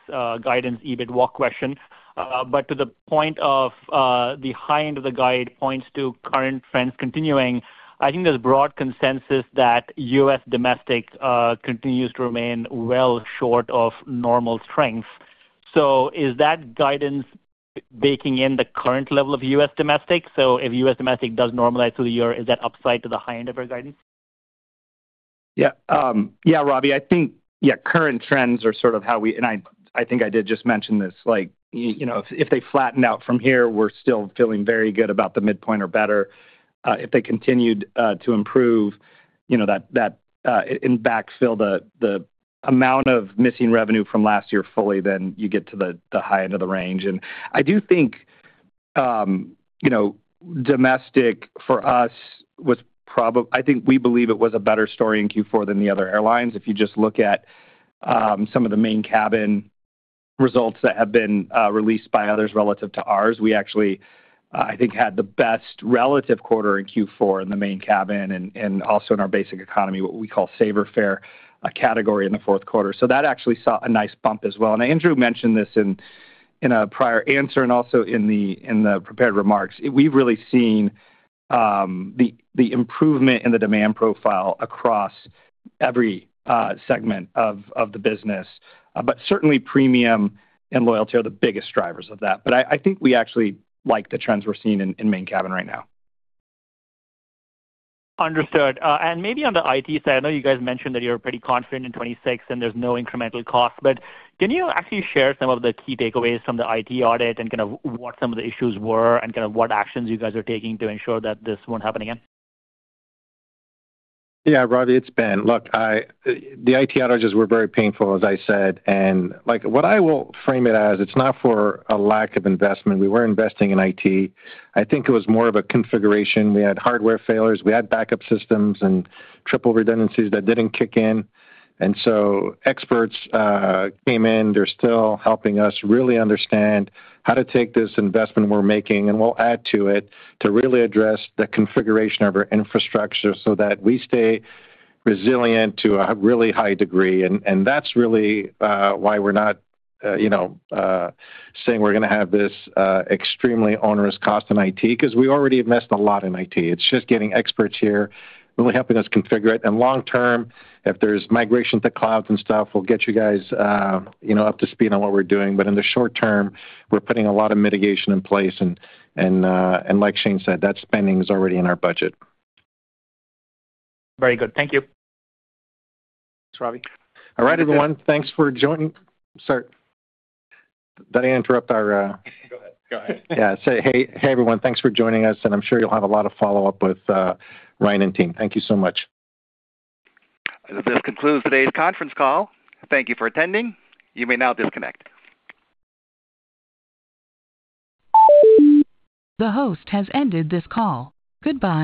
guidance EBIT walk question. To the point of the high end of the guide points to current trends continuing, I think there's broad consensus that U.S. domestic continues to remain well short of normal strength. Is that guidance baking in the current level of U.S. domestic? If U.S. domestic does normalize through the year, is that upside to the high end of our guidance? Yeah. Yeah, Ravi, I think, yeah, current trends are sort of how we—and I think I did just mention this—if they flatten out from here, we're still feeling very good about the midpoint or better. If they continued to improve and backfill the amount of missing revenue from last year fully, then you get to the high end of the range. I do think domestic for us was probably, I think we believe it was a better story in Q4 than the other airlines. If you just look at some of the main cabin results that have been released by others relative to ours, we actually, I think, had the best relative quarter in Q4 in the main cabin and also in our basic economy, what we call Saver fare category in the fourth quarter. So that actually saw a nice bump as well. And Andrew mentioned this in a prior answer and also in the prepared remarks. We've really seen the improvement in the demand profile across every segment of the business. But certainly, premium and loyalty are the biggest drivers of that. But I think we actually like the trends we're seeing in main cabin right now. Understood. Maybe on the IT side, I know you guys mentioned that you're pretty confident in 2026 and there's no incremental cost. But can you actually share some of the key takeaways from the IT audit and kind of what some of the issues were and kind of what actions you guys are taking to ensure that this won't happen again? Yeah, Ravi, it's been. Look, the IT outages were very painful, as I said. And what I will frame it as, it's not for a lack of investment. We were investing in IT. I think it was more of a configuration. We had hardware failures. We had backup systems and triple redundancies that didn't kick in. And so experts came in. They're still helping us really understand how to take this investment we're making, and we'll add to it to really address the configuration of our infrastructure so that we stay resilient to a really high degree. And that's really why we're not saying we're going to have this extremely onerous cost in IT because we already have missed a lot in IT. It's just getting experts here, really helping us configure it. And long-term, if there's migration to clouds and stuff, we'll get you guys up to speed on what we're doing. But in the short term, we're putting a lot of mitigation in place. And like Shane said, that spending is already in our budget. Very good. Thank you. Thanks, Ravi. All right, everyone. Thanks for joining. Sorry. Did I interrupt our? Go ahead. Go ahead. Yeah. Hey, everyone. Thanks for joining us. I'm sure you'll have a lot of follow-up with Ryan and team. Thank you so much. This concludes today's conference call. Thank you for attending. You may now disconnect. The host has ended this call. Goodbye.